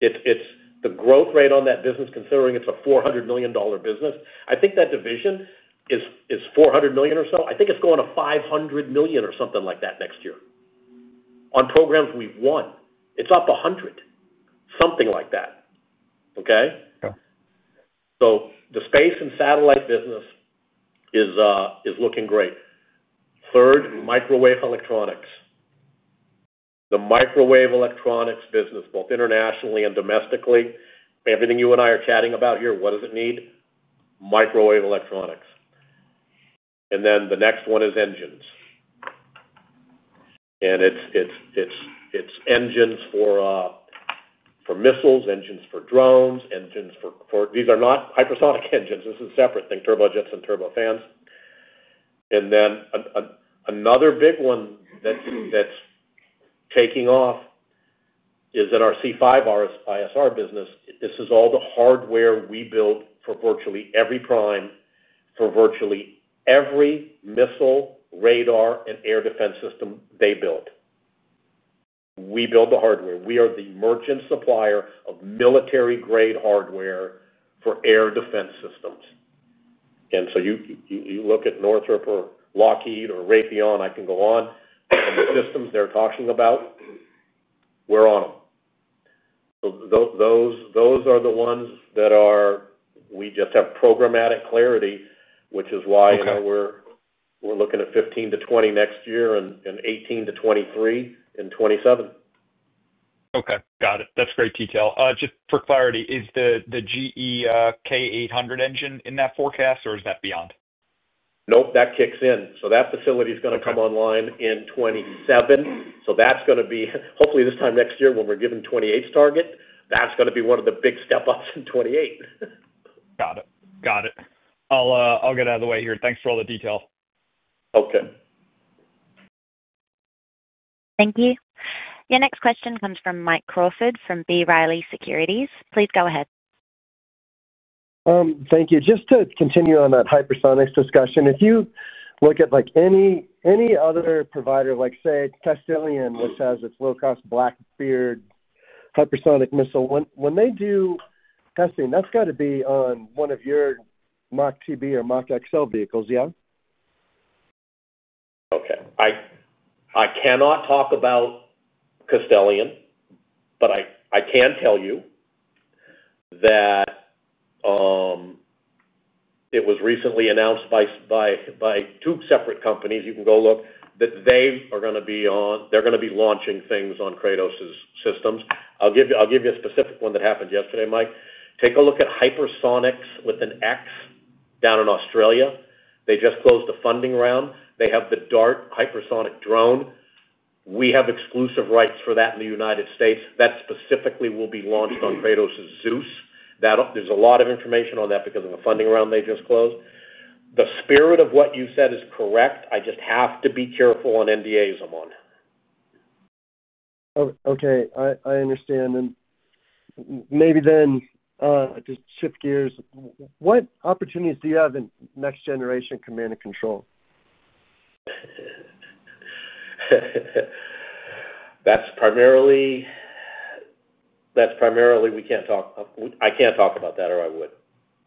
The growth rate on that business, considering it's a $400 million business, I think that division is $400 million or so. I think it's going to $500 million or something like that next year. On programs we've won. It's up $100 million, something like that. Okay. So the space and satellite business. Is looking great. Third, microwave electronics. The microwave electronics business, both internationally and domestically, everything you and I are chatting about here, what does it need? Microwave electronics. And then the next one is engines. And it's engines for. Missiles, engines for drones, engines for these are not hypersonic engines. This is a separate thing, turbojets and turbofans. And then. Another big one that's taking off. Is in our C5ISR business. This is all the hardware we build for virtually every prime, for virtually every missile, radar, and air defense system they built. We build the hardware. We are the merchant supplier of military-grade hardware for air defense systems. And so you look at Northrop or Lockheed or Raytheon, I can go on. And the systems they're talking about. We're on them. So those are the ones that are. We just have programmatic clarity, which is why we're looking at 15-20 next year and 18-23 in 2027. Okay. Got it. That's great detail. Just for clarity, is the GEK800 engine in that forecast or is that beyond? Nope. That kicks in. So that facility is going to come online in 2027. So that's going to be hopefully this time next year when we're given 2028's target, that's going to be one of the big step-ups in 2028. Got it. Got it. I'll get out of the way here. Thanks for all the detail. Okay. Thank you. Your next question comes from Mike Crawford from B. Riley Securities. Please go ahead. Thank you. Just to continue on that hypersonics discussion, if you look at any other provider, like say, Castelion, which has its low-cost Blackbeard hypersonic missile, when they do testing, that's got to be on one of your MACH-TB or MACH-XL vehicles, yeah? Okay. I cannot talk about Castelion, but I can tell you that it was recently announced by two separate companies. You can go look. They are going to be launching things on Kratos' systems. I'll give you a specific one that happened yesterday, Mike. Take a look at Hypersonix with an X down in Australia. They just closed the funding round. They have the Dart hypersonic drone. We have exclusive rights for that in the United States. That specifically will be launched on Kratos' Zeus. There's a lot of information on that because of the funding round they just closed. The spirit of what you said is correct. I just have to be careful on NDAs I'm on. Okay. I understand. And maybe then to shift gears, what opportunities do you have in next-generation command and control? That's primarily. We can't talk. I can't talk about that, or I would.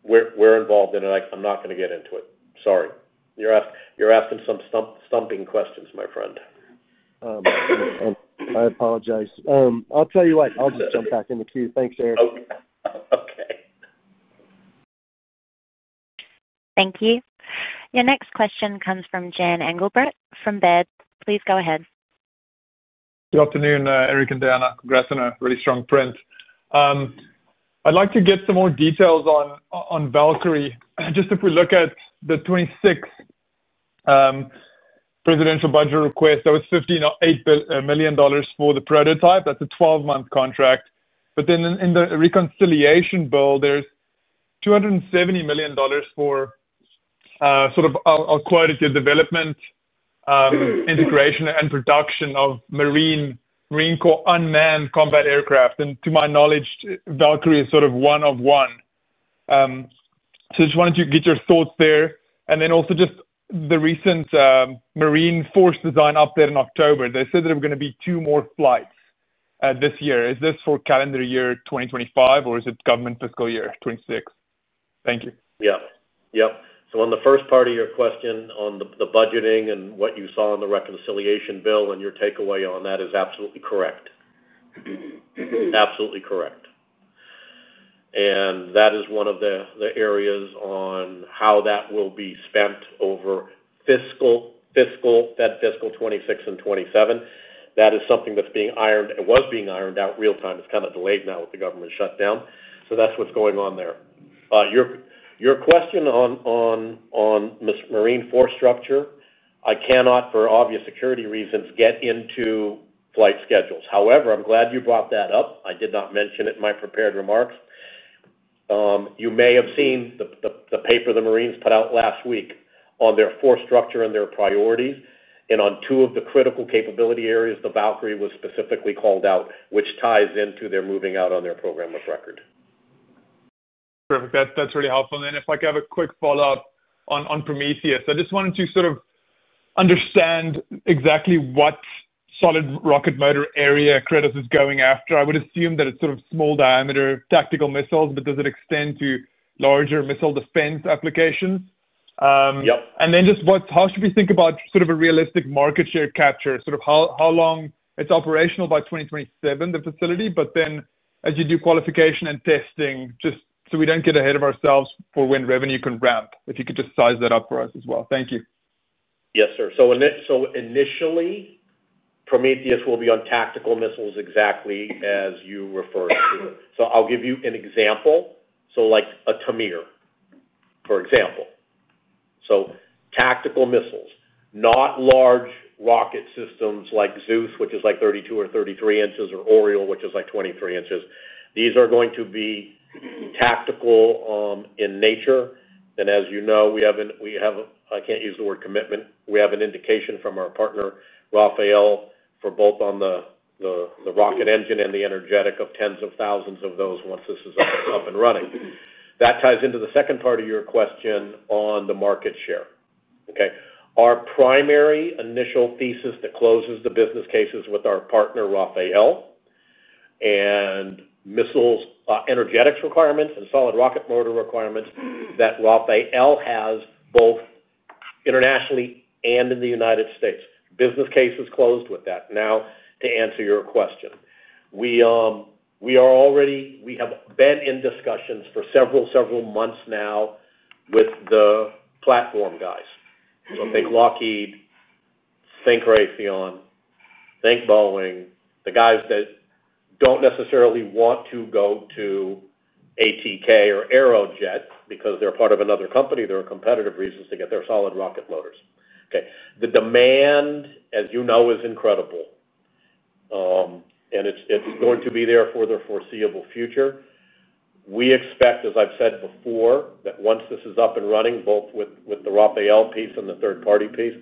We're involved in it. I'm not going to get into it. Sorry. You're asking some stumping questions, my friend. And I apologize. I'll tell you what. I'll just jump back in the queue. Thanks, Eric. Thank you. Your next question comes from [Jan Engelbert] from [Bent]. Please go ahead. Good afternoon, Eric and Deanna. Congrats on a really strong print. I'd like to get some more details on Valkyrie. Just if we look at the 2026 Presidential budget request, that was $15.8 million for the prototype. That's a 12-month contract. But then in the reconciliation bill, there's $270 million for sort of, I'll quote it, your development integration, and production of Marine Corps unmanned combat aircraft. And to my knowledge, Valkyrie is sort of one of one. So I just wanted to get your thoughts there. And then also just the recent Marine Force design update in October. They said there were going to be two more flights this year. Is this for calendar year 2025, or is it government fiscal year 2026? Thank you. Yeah. Yep. So on the first part of your question on the budgeting and what you saw in the reconciliation bill and your takeaway on that is absolutely correct. Absolutely correct. And that is one of the areas on how that will be spent over fiscal 2026 and 2027. That is something that's being ironed; it was being ironed out real-time. It's kind of delayed now with the government shutdown. So that's what's going on there. Your question on Marine Force structure, I cannot, for obvious security reasons, get into flight schedules. However, I'm glad you brought that up. I did not mention it in my prepared remarks. You may have seen the paper the Marines put out last week on their force structure and their priorities. And on two of the critical capability areas, the Valkyrie was specifically called out, which ties into their moving out on their program of record. Perfect. That's really helpful. And then if I could have a quick follow-up on Prometheus, I just wanted to sort of understand exactly what solid rocket motor area Kratos is going after. I would assume that it's sort of small diameter tactical missiles, but does it extend to larger missile defense applications? And then just how should we think about sort of a realistic market share capture? Sort of how long it's operational by 2027, the facility? But then as you do qualification and testing, just so we don't get ahead of ourselves for when revenue can ramp, if you could just size that up for us as well. Thank you. Yes, sir. So initially, Prometheus will be on tactical missiles exactly as you referred to. So I'll give you an example. So like a Tamir. For example. So tactical missiles, not large rocket systems like Zeus, which is like 32 in or 33 in, or [Arrow], which is like 23 in. These are going to be tactical in nature. And as you know, we have. I can't use the word commitment. We have an indication from our partner, RAFAEL, for both on the rocket engine and the energetic of tens of thousands of those once this is up and running. That ties into the second part of your question on the market share. Okay. Our primary initial thesis that closes the business cases with our partner, RAFAEL. And energetics requirements and solid rocket motor requirements that RAFAEL has both internationally and in the United States. Business cases closed with that. Now, to answer your question, we have been in discussions for several, several months now with the platform guys. So thInk Lockheed. ThInk Raytheon. ThInk Boeing. The guys that don't necessarily want to go to ATK or Aerojet because they're part of another company. There are competitive reasons to get their solid rocket motors. Okay. The demand, as you know, is incredible. And it's going to be there for the foreseeable future. We expect, as I've said before, that once this is up and running, both with the RAFAEL piece and the third-party piece,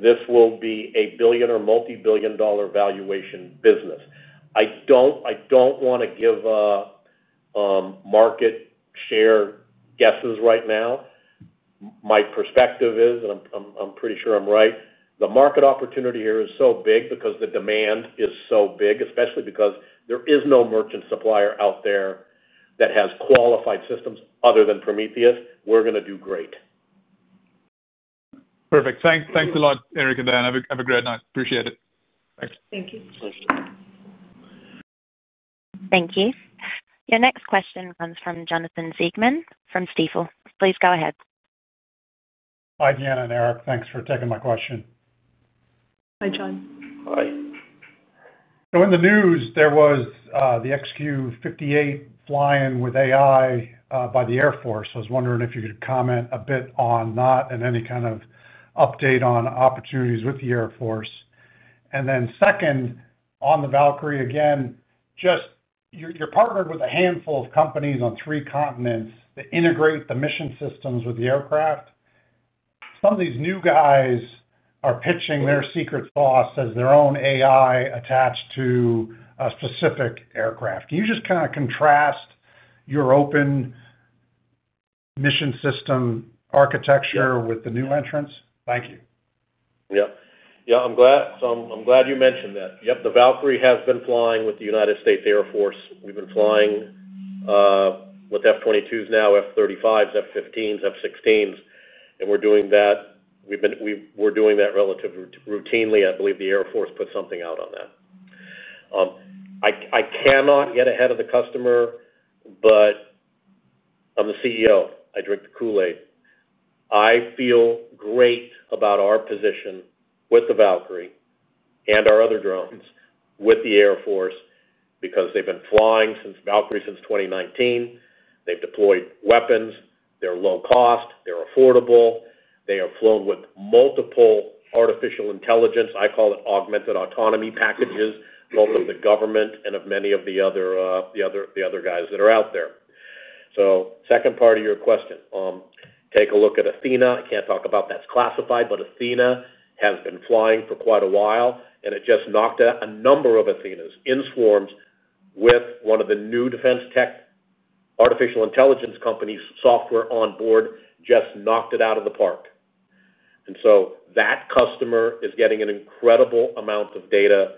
this will be a billion or multi-billion dollar valuation business. I don't want to give market share guesses right now. My perspective is, and I'm pretty sure I'm right, the market opportunity here is so big because the demand is so big, especially because there is no merchant supplier out there that has qualified systems other than Prometheus. We're going to do great. Perfect. Thanks a lot, Eric and Deanna. Have a great night. Appreciate it. Thanks. Thank you. Thank you. Your next question comes from Jonathan Siegmann from Stifel. Please go ahead. Hi, Deanna and Eric. Thanks for taking my question. Hi, Jon. Hi. In the news, there was the XQ-58 flying with AI by the Air Force. I was wondering if you could comment a bit on that and any kind of update on opportunities with the Air Force. And then second, on the Valkyrie again, just you're partnered with a handful of companies on three continents that integrate the mission systems with the aircraft. Some of these new guys are pitching their secret sauce as their own AI attached to a specific aircraft. Can you just kind of contrast your open mission system architecture with the new entrants? Thank you. Yep. I'm glad you mentioned that. Yep. The Valkyrie has been flying with the United States Air Force. We've been flying with F-22s now, F-35s, F-15s, F-16s. And we're doing that relatively routinely. I believe the Air Force put something out on that. I cannot get ahead of the customer, but I'm the CEO. I drink the Kool-Aid. I feel great about our position with the Valkyrie and our other drones with the Air Force because they've been flying Valkyrie since 2019. They've deployed weapons. They're low cost. They're affordable. They are flown with multiple artificial intelligence. I call it augmented autonomy packages, both of the government and of many of the other guys that are out there. So second part of your question, take a look at Athena. I can't talk about that. It's classified, but Athena has been flying for quite a while, and it just knocked a number of Athenas in swarms with one of the new defense tech artificial intelligence companies' software on board just knocked it out of the park. And so that customer is getting an incredible amount of data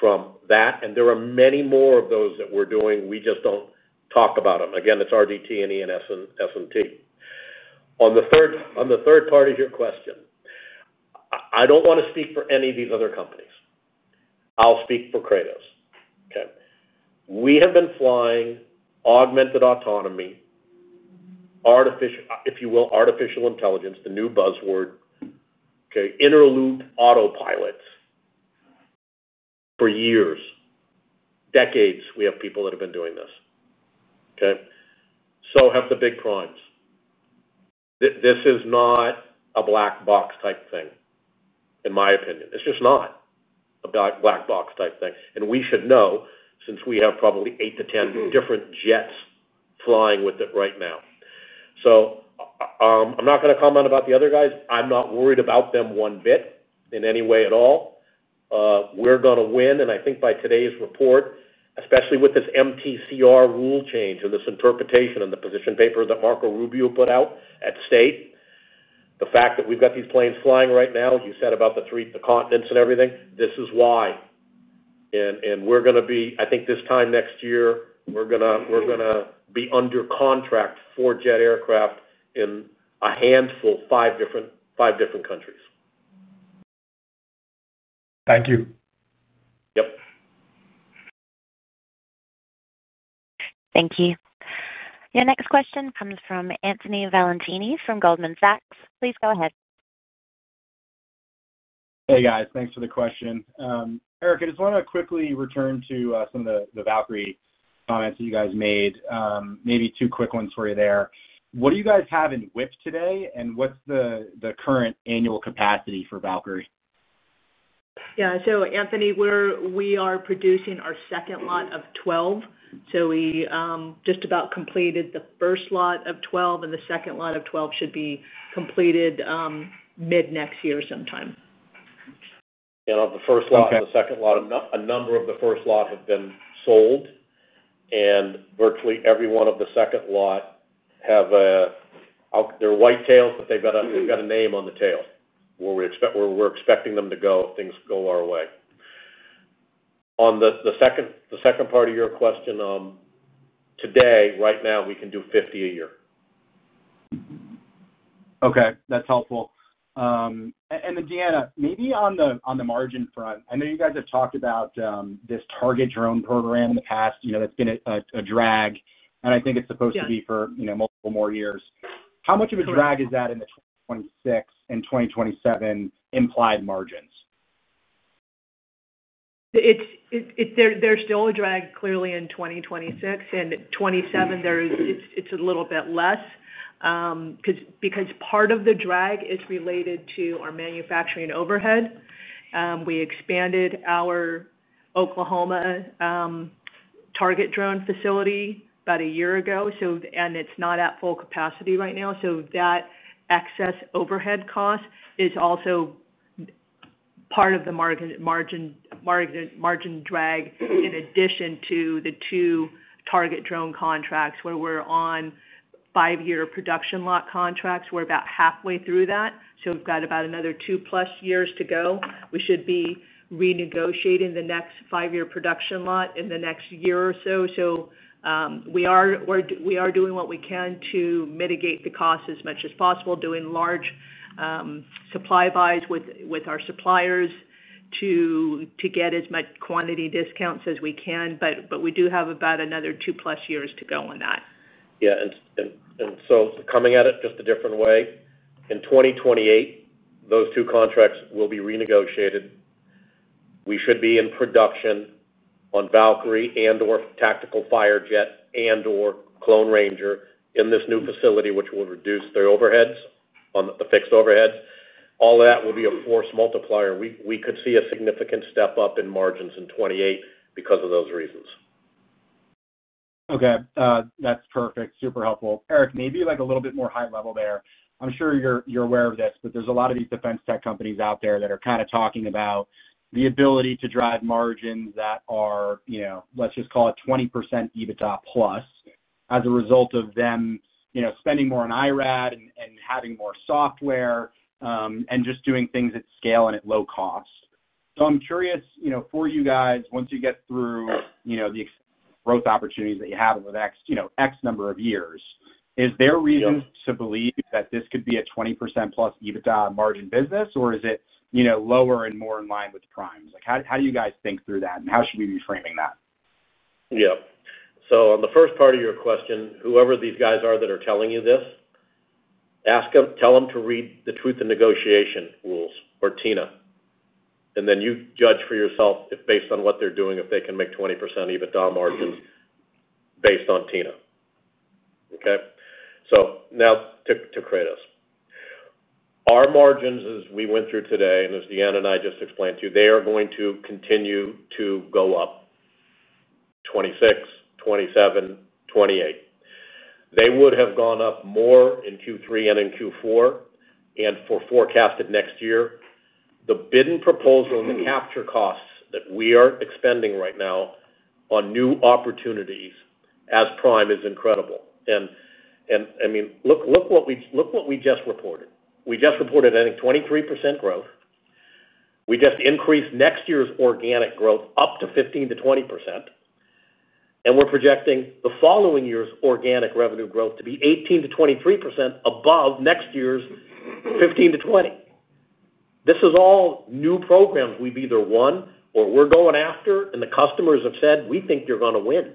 from that. And there are many more of those that we're doing. We just don't talk about them. Again, it's RDT&E. On the third part of your question. I don't want to speak for any of these other companies. I'll speak for Kratos. Okay. We have been flying augmented autonomy. If you will, artificial intelligence, the new buzzword. Okay. Interlude autopilots. For years, decades, we have people that have been doing this. Okay. So have the big primes. This is not a black box type thing, in my opinion. It's just not a black box type thing. And we should know since we have probably 8 to 10 different jets flying with it right now. So. I'm not going to comment about the other guys. I'm not worried about them one bit in any way at all. We're going to win. And I think by today's report, especially with this MTCR rule change and this interpretation in the position paper that Marco Rubio put out at State, the fact that we've got these planes flying right now, you said about the three continents and everything, this is why. And we're going to be. I think this time next year, we're going to be under contract for jet aircraft in a handful of five different countries. Thank you. Yep. Thank you. Your next question comes from Anthony Valentini from Goldman Sachs. Please go ahead. Hey, guys. Thanks for the question. Eric, I just want to quickly return to some of the Valkyrie comments that you guys made. Maybe two quick ones for you there. What do you guys have in WIP today, and what's the current annual capacity for Valkyrie? Yeah. So, Anthony, we are producing our second lot of 12. So we just about completed the first lot of 12, and the second lot of 12 should be completed mid next year sometime. Yeah. The first lot and the second lot - a number of the first lot have been sold. And virtually every one of the second lot have their white tails, but they've got a name on the tail where we're expecting them to go if things go our way. On the second part of your question. Today, right now, we can do 50 a year. Okay. That's helpful. And then, Deanna, maybe on the margin front, I know you guys have talked about this target drone program in the past. That's been a drag. And I think it's supposed to be for multiple more years. How much of a drag is that in the 2026 and 2027 implied margins? There's still a drag clearly in 2026. In 2027, it's a little bit less. Because part of the drag is related to our manufacturing overhead. We expanded our Oklahoma target drone facility about a year ago, and it's not at full capacity right now. So that excess overhead cost is also part of the margin drag in addition to the two target drone contracts where we're on five-year production lot contracts. We're about halfway through that. So we've got about another 2+ years to go. We should be renegotiating the next five-year production lot in the next year or so. So we are doing what we can to mitigate the cost as much as possible, doing large supply buys with our suppliers to get as much quantity discounts as we can. But we do have about another two-plus years to go on that. Yeah. And so coming at it just a different way, in 2028, those two contracts will be renegotiated. We should be in production on Valkyrie and/or tactical fire jet and/or Clone Ranger in this new facility, which will reduce the fixed overheads. All of that will be a force multiplier. We could see a significant step up in margins in 2028 because of those reasons. Okay. That's perfect. Super helpful. Eric, maybe a little bit more high-level there. I'm sure you're aware of this, but there's a lot of these defense tech companies out there that are kind of talking about the ability to drive margins that are, let's just call it, 20%+ EBITDA as a result of them spending more on IRAD and having more software. And just doing things at scale and at low cost. So I'm curious for you guys, once you get through the growth opportunities that you have over the next X number of years, is there a reason to believe that this could be a 20%+ EBITDA margin business, or is it lower and more in line with the primes? How do you guys think through that, and how should we be framing that? Yeah. So on the first part of your question, whoever these guys are that are telling you this, tell them to read the Truth in Negotiation rules or TINA. And then you judge for yourself based on what they're doing if they can make 20% EBITDA margins based on TINA. Okay. So now to Kratos. Our margins, as we went through today, and as Deanna and I just explained to you, they are going to continue to go up. 2026, 2027, 2028. They would have gone up more in Q3 and in Q4. And for forecasted next year, the bidden proposal and the capture costs that we are expending right now on new opportunities as prime is incredible. And I mean, look what we just reported. We just reported, I think, 23% growth. We just increased next year's organic growth up to 15%-20%. And we're projecting the following year's organic revenue growth to be 18%-23% above next year's 15%-20%. This is all new programs we've either won or we're going after, and the customers have said, "We think you're going to win."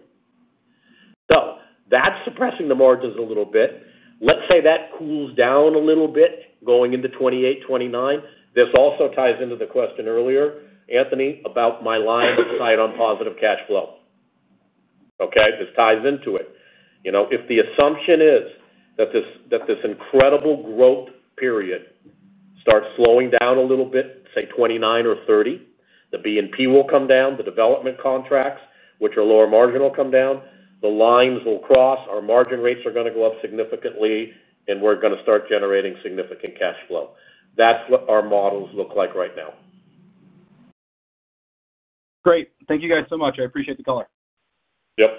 So that's suppressing the margins a little bit. Let's say that cools down a little bit going into 2028, 2029. This also ties into the question earlier, Anthony, about my line of sight on positive cash flow. Okay. This ties into it. If the assumption is that this incredible growth period starts slowing down a little bit, say 2029 or 2030, the B&P will come down, the development contracts, which are lower marginal, come down, the lines will cross, our margin rates are going to go up significantly, and we're going to start generating significant cash flow. That's what our models look like right now. Great. Thank you guys so much. I appreciate the color. Yep.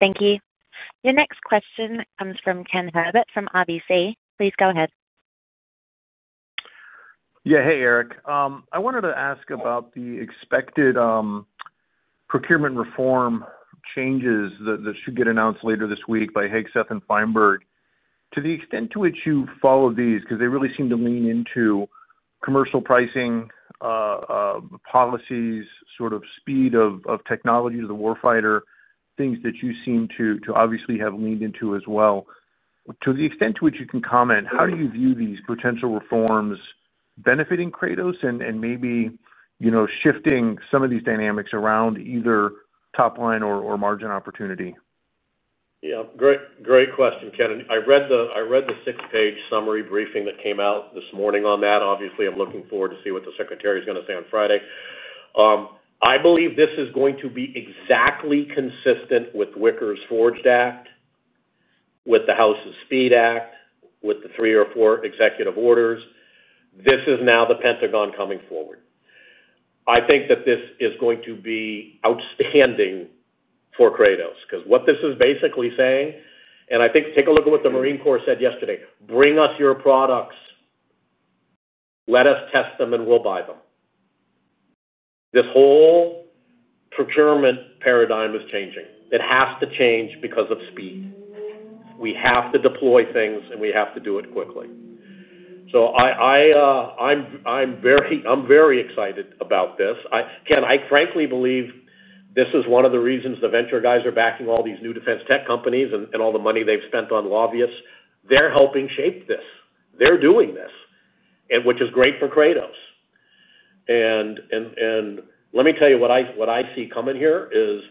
Thank you. Your next question comes from Ken Herbert from RBC. Please go ahead. Yeah. Hey, Eric. I wanted to ask about the expected procurement reform changes that should get announced later this week by Hegseth and Feinberg. To the extent to which you follow these, because they really seem to lean into commercial pricing policies, sort of speed of technology to the warfighter, things that you seem to obviously have leaned into as well. To the extent to which you can comment, how do you view these potential reforms benefiting Kratos and maybe shifting some of these dynamics around either top line or margin opportunity? Yeah. Great question, Ken. I read the six-page summary briefing that came out this morning on that. Obviously, I'm looking forward to see what the secretary is going to say on Friday. I believe this is going to be exactly consistent with Wicker's FORGED Act. With the House of SPEED Act, with the three or four executive orders. This is now the Pentagon coming forward. I think that this is going to be outstanding for Kratos because what this is basically saying—and I think take a look at what the Marine Corps said yesterday—"Bring us your products. Let us test them, and we'll buy them." This whole procurement paradigm is changing. It has to change because of speed. We have to deploy things, and we have to do it quickly. So I'm very excited about this. Ken, I frankly believe this is one of the reasons the venture guys are backing all these new defense tech companies and all the money they've spent on lobbyists. They're helping shape this. They're doing this, which is great for Kratos. And let me tell you what I see coming here is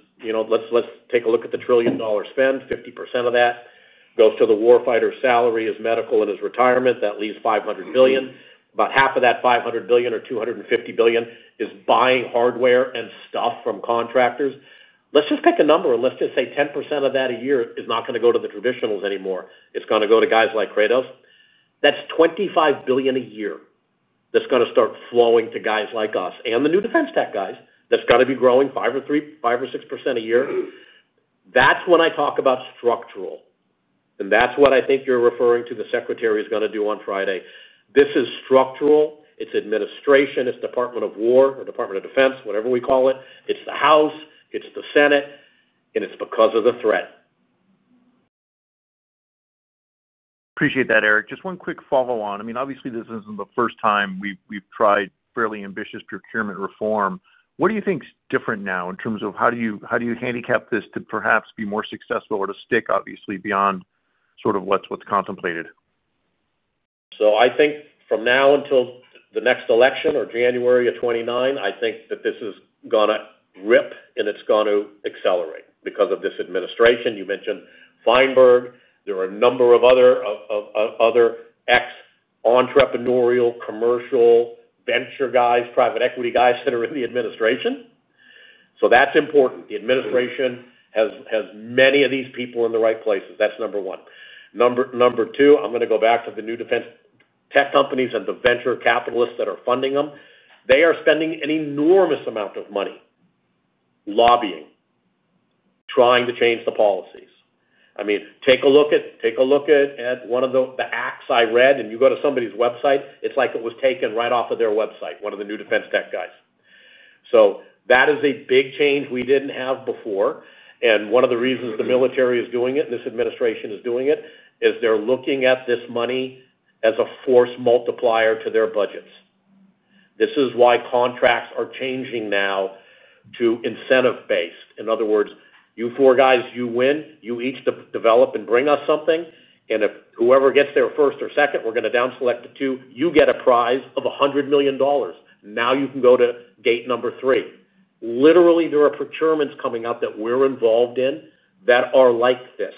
let's take a look at the $1 trillion spend. 50% of that goes to the warfighter's salary, his medical, and his retirement. That leaves $500 billion. About half of that $500 billion or $250 billion is buying hardware and stuff from contractors. Let's just pick a number, and let's just say 10% of that a year is not going to go to the traditionals anymore. It's going to go to guys like Kratos. That's $25 billion a year that's going to start flowing to guys like us and the new defense tech guys that's going to be growing 5% or 6% a year. That's when I talk about structural. And that's what I think you're referring to the secretary is going to do on Friday. This is structural. It's administration. It's Department of War or Department of Defense, whatever we call it. It's the House. It's the Senate. And it's because of the threat. Appreciate that, Eric. Just one quick follow-on. I mean, obviously, this isn't the first time we've tried fairly ambitious procurement reform. What do you think's different now in terms of how do you handicap this to perhaps be more successful or to stick, obviously, beyond sort of what's contemplated? So I think from now until the next election or January of 2029, I think that this is going to rip, and it's going to accelerate because of this administration. You mentioned Feinberg. There are a number of other entrepreneurial, commercial, venture guys, private equity guys that are in the administration. So that's important. The administration has many of these people in the right places. That's number one. 2) I'm going to go back to the new defense tech companies and the venture capitalists that are funding them. They are spending an enormous amount of money lobbying. Trying to change the policies. I mean, take a look at one of the acts I read, and you go to somebody's website, it's like it was taken right off of their website, one of the new defense tech guys. So that is a big change we didn't have before. And one of the reasons the military is doing it, and this administration is doing it, is they're looking at this money as a force multiplier to their budgets. This is why contracts are changing now to incentive-based. In other words, you four guys, you win. You each develop and bring us something. And if whoever gets there first or second, we're going to downselect the two. You get a prize of $100 million. Now you can go to gate number three. Literally, there are procurements coming up that we're involved in that are like this.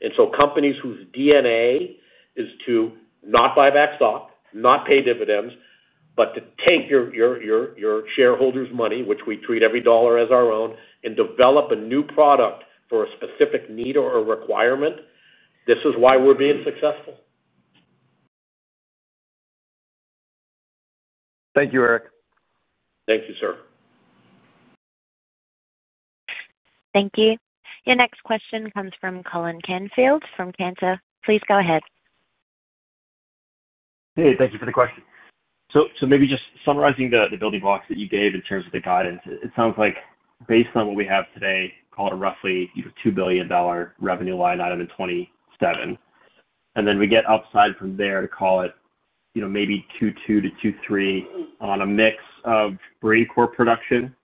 And so companies whose DNA is to not buy back stock, not pay dividends, but to take your shareholders' money, which we treat every dollar as our own, and develop a new product for a specific need or a requirement, this is why we're being successful. Thank you, Eric. Thank you, sir. Thank you. Your next question comes from Colin Canfield from Cantor. Please go ahead. Hey, thank you for the question. So maybe just summarizing the building blocks that you gave in terms of the guidance, it sounds like based on what we have today, call it roughly a $2 billion revenue line item in 2027. And then we get upside from there to call it maybe Q2-Q3 on a mix of Marine Corps production.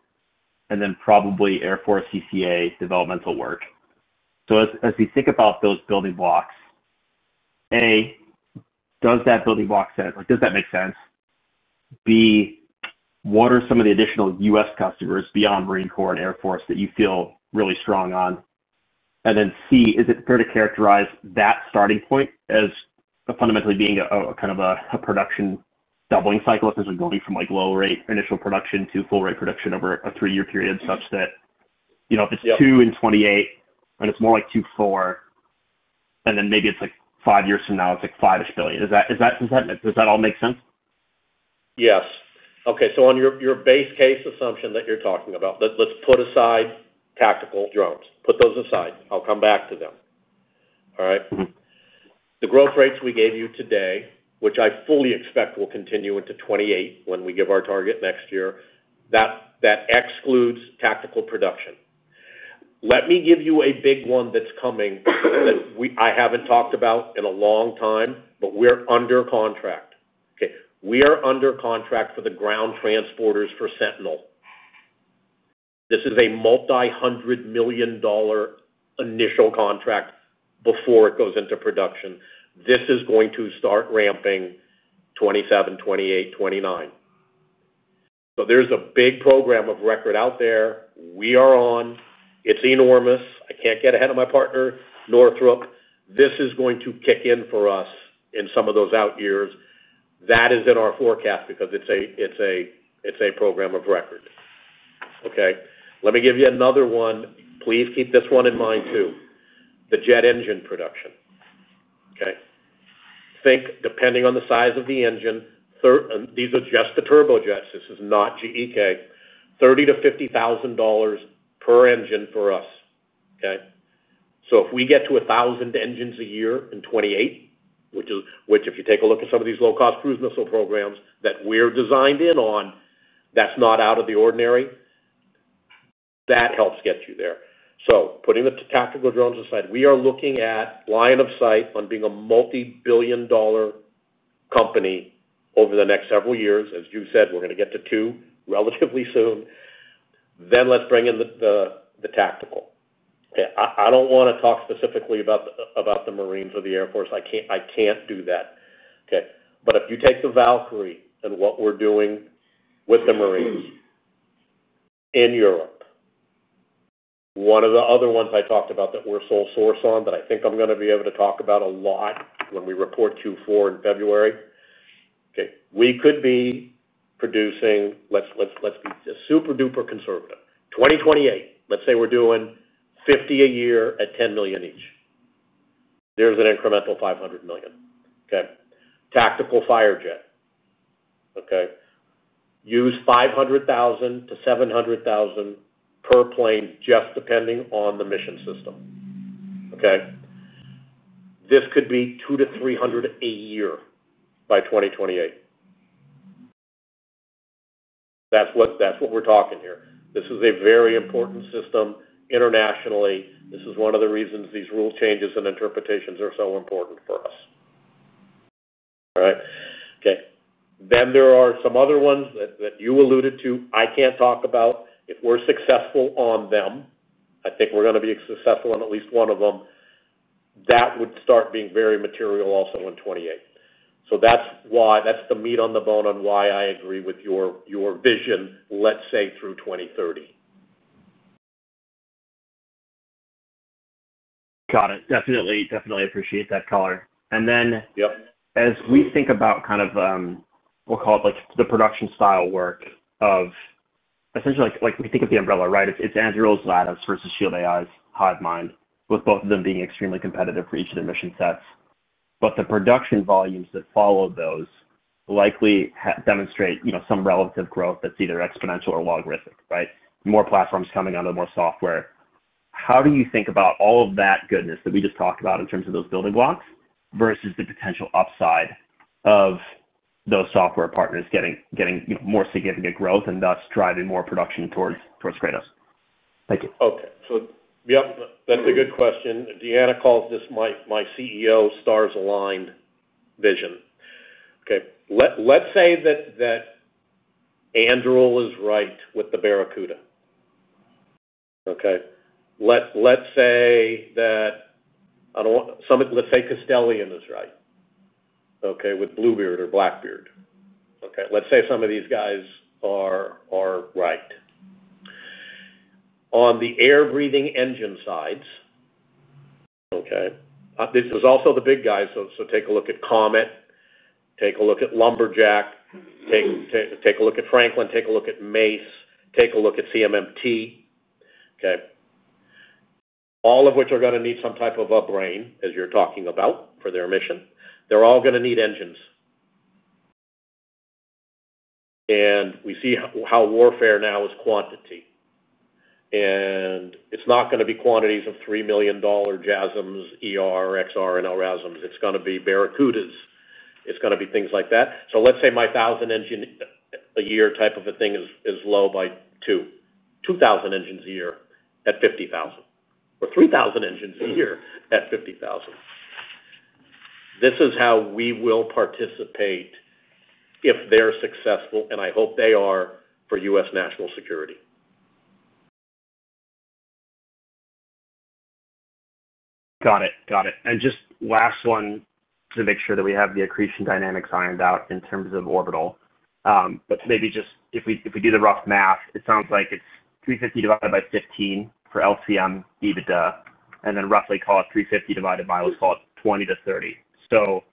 And then probably Air Force CCA developmental work. So as we think about those building blocks. A) Does that building block sense? Does that make sense? B) What are some of the additional U.S. customers beyond Marine Corps and Air Force that you feel really strong on? And then C) Is it fair to characterize that starting point as fundamentally being kind of a production doubling cycle? If this was going from low-rate initial production to full-rate production over a three-year period such that. If it's $2 billion in 2028 and it's more like $4 billion. And then maybe it's like five years from now, it's like $5 billion-ish. Does that all make sense? Yes. Okay. So on your base case assumption that you're talking about, let's put aside tactical drones. Put those aside. All right. The growth rates we gave you today, which I fully expect will continue into 2028 when we give our target next year, that excludes tactical production. Let me give you a big one that's coming that I haven't talked about in a long time, but we're under contract. Okay. We are under contract for the ground transporters for Sentinel. This is a multi-hundred-million-dollar initial contract before it goes into production. This is going to start ramping 2027, 2028, 2029. So there's a big program of record out there. We are on. It's enormous. I can't get ahead of my partner, Northrop. This is going to kick in for us in some of those out years. That is in our forecast because it's a program of record. Okay. Let me give you another one. Please keep this one in mind too. The jet engine production. Okay. Think, depending on the size of the engine, these are just the turbojets. This is not GEK. $30,000-$50,000 per engine for us. Okay. So if we get to 1,000 engines a year in 2028, which if you take a look at some of these low-cost cruise missile programs that we're designed in on, that's not out of the ordinary. That helps get you there. So putting the tactical drones aside, we are looking at line of sight on being a multi-billion-dollar company over the next several years. As you said, we're going to get to two relatively soon, then let's bring in the tactical. Okay. I don't want to talk specifically about the Marines or the Air Force. I can't do that. Okay. But if you take the Valkyrie and what we're doing with the Marines in Europe. One of the other ones I talked about that we're sole source on that I think I'm going to be able to talk about a lot when we report Q4 in February. Okay. We could be producing, let's be super duper conservative, 2028. Let's say we're doing 50 a year at $10 million each. There's an incremental $500 million. Okay. Tactical Firejet. Okay. Use $500,000-$700,000 per plane, just depending on the mission system. Okay. This could be 200-300 a year by 2028. That's what we're talking here. This is a very important system. Internationally, this is one of the reasons these rule changes and interpretations are so important for us. All right. Okay. Then there are some other ones that you alluded to. I can't talk about. If we're successful on them, I think we're going to be successful on at least one of them, that would start being very material also in 2028. So that's the meat on the bone on why I agree with your vision, let's say, through 2030. Got it. Definitely. Definitely appreciate that color. And then as we think about kind of we'll call it the production style work of essentially, we think of the umbrella, right? It's Anduril's Lattice versus Shield AI's Hivemind, with both of them being extremely competitive for each of their mission sets. But the production volumes that follow those likely demonstrate some relative growth that's either exponential or logarithmic, right? More platforms coming out of more software. How do you think about all of that goodness that we just talked about in terms of those building blocks versus the potential upside of those software partners getting more significant growth and thus driving more production towards Kratos? Thank you. Okay. So yeah, that's a good question. Deanna calls this my CEO stars-aligned vision. Okay. Let's say that. Anduril is right with the Barracuda. Okay. Let's say that. Let's say Castelion is right. Okay. With Bluebeard or Blackbeard. Okay. .et's say some of these guys are right on the air-breathing engine sides. Okay? This is also the big guys. So take a look at Comet. Take a look at Lumberjack. Take a look at Franklin. Take a look at Mace. Take a look at CMMT. Okay. All of which are going to need some type of a brain, as you're talking about, for their mission. They're all going to need engines. And we see how warfare now is quantity. And it's not going to be quantities of $3 million JASMs, ERs, XRs, and LRASMs. It's going to be Barracudas. It's going to be things like that. So let's say my 1,000-engine-a-year type of a thing is low by 2,000 engines a year at $50,000 or 3,000 engines a year at $50,000. This is how we will participate. If they're successful, and I hope they are, for U.S. national security. Got it. Got it. And just last one to make sure that we have the accretion dynamics ironed out in terms of Orbit. But maybe just if we do the rough math, it sounds like it's 350 divided by 15 for LCM EBITDA, and then roughly call it 350 divided by—let's call it 20-30. So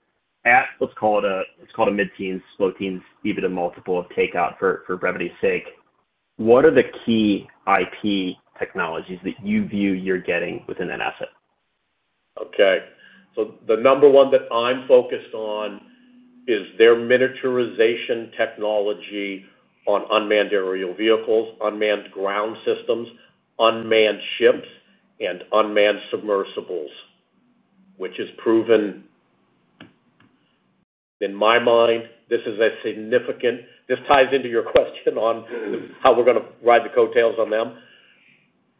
let's call it a mid-teens, low-teens EBITDA multiple takeout for brevity's sake. What are the key IP technologies that you view you're getting within that asset? Okay. So the number one that I'm focused on is their miniaturization technology on unmanned aerial vehicles, unmanned ground systems, unmanned ships, and unmanned submersibles, which has proven. In my mind, this is a significant—this ties into your question on how we're going to ride the coattails on them.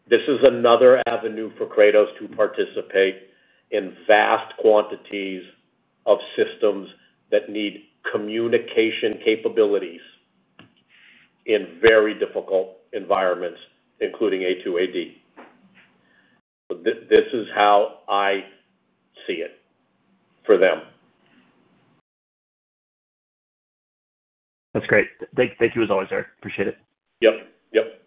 This is another avenue for Kratos to participate in vast quantities of systems that need communication capabilities in very difficult environments, including A2AD. So this is how I see it for them. That's great. Thank you as always, Eric. Appreciate it. Yep. Yep.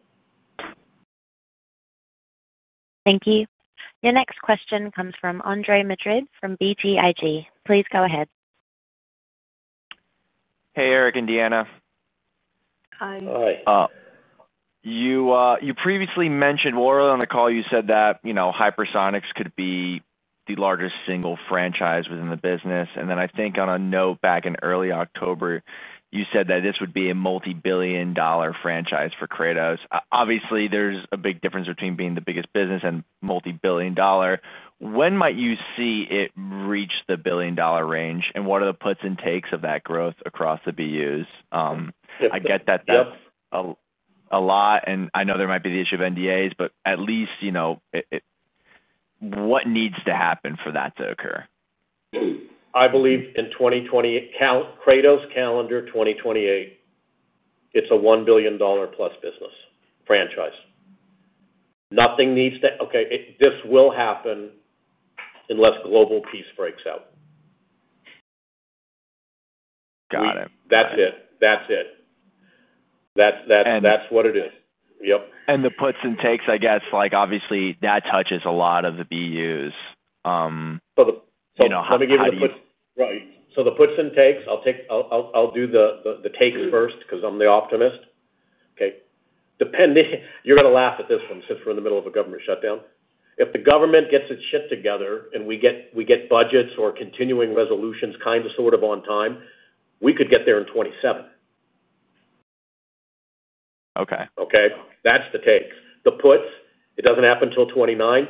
Thank you. Your next question comes from Andre Madrid from BTIG. Please go ahead. Hey, Eric. And Deanna. Hi. Hi. You previously mentioned—well, earlier on the call, you said that hypersonics could be the largest single franchise within the business. And then I think on a note back in early October, you said that this would be a multi-billion-dollar franchise for Kratos. Obviously, there's a big difference between being the biggest business and multi-billion-dollar. When might you see it reach the billion-dollar range, and what are the puts and takes of that growth across the BUs? I get that a lot. And I know there might be the issue of NDAs, but at least what needs to happen for that to occur? I believe by calendar 2028. It's a $1+ billion business franchise. Nothing needs to—okay, this will happen unless global peace breaks out. Got it. That's it. That's it. That's what it is. Yep. And the puts and takes, I guess, obviously, that touches a lot of the BUs. So let me give you the puts, right. So the puts and takes, I'll do the takes first because I'm the optimist. Okay. You're going to laugh at this one since we're in the middle of a government shutdown. If the government gets its shit together and we get budgets or continuing resolutions kind of sort of on time, we could get there in 2027. Okay. Okay. That's the takes. The puts, it doesn't happen until 2029.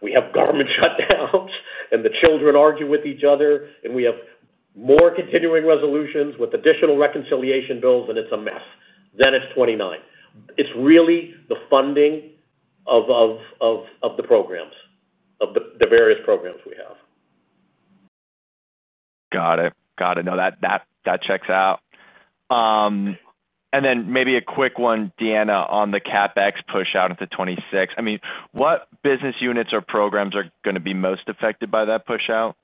We have government shutdowns, and the children argue with each other, and we have more continuing resolutions with additional reconciliation bills, and it's a mess. Then it's 2029. It's really the funding of the programs, of the various programs we have. Got it. Got it. No, that checks out. And then maybe a quick one, Deanna, on the CapEx push-out into 2026. I mean, what business units or programs are going to be most affected by that push-out?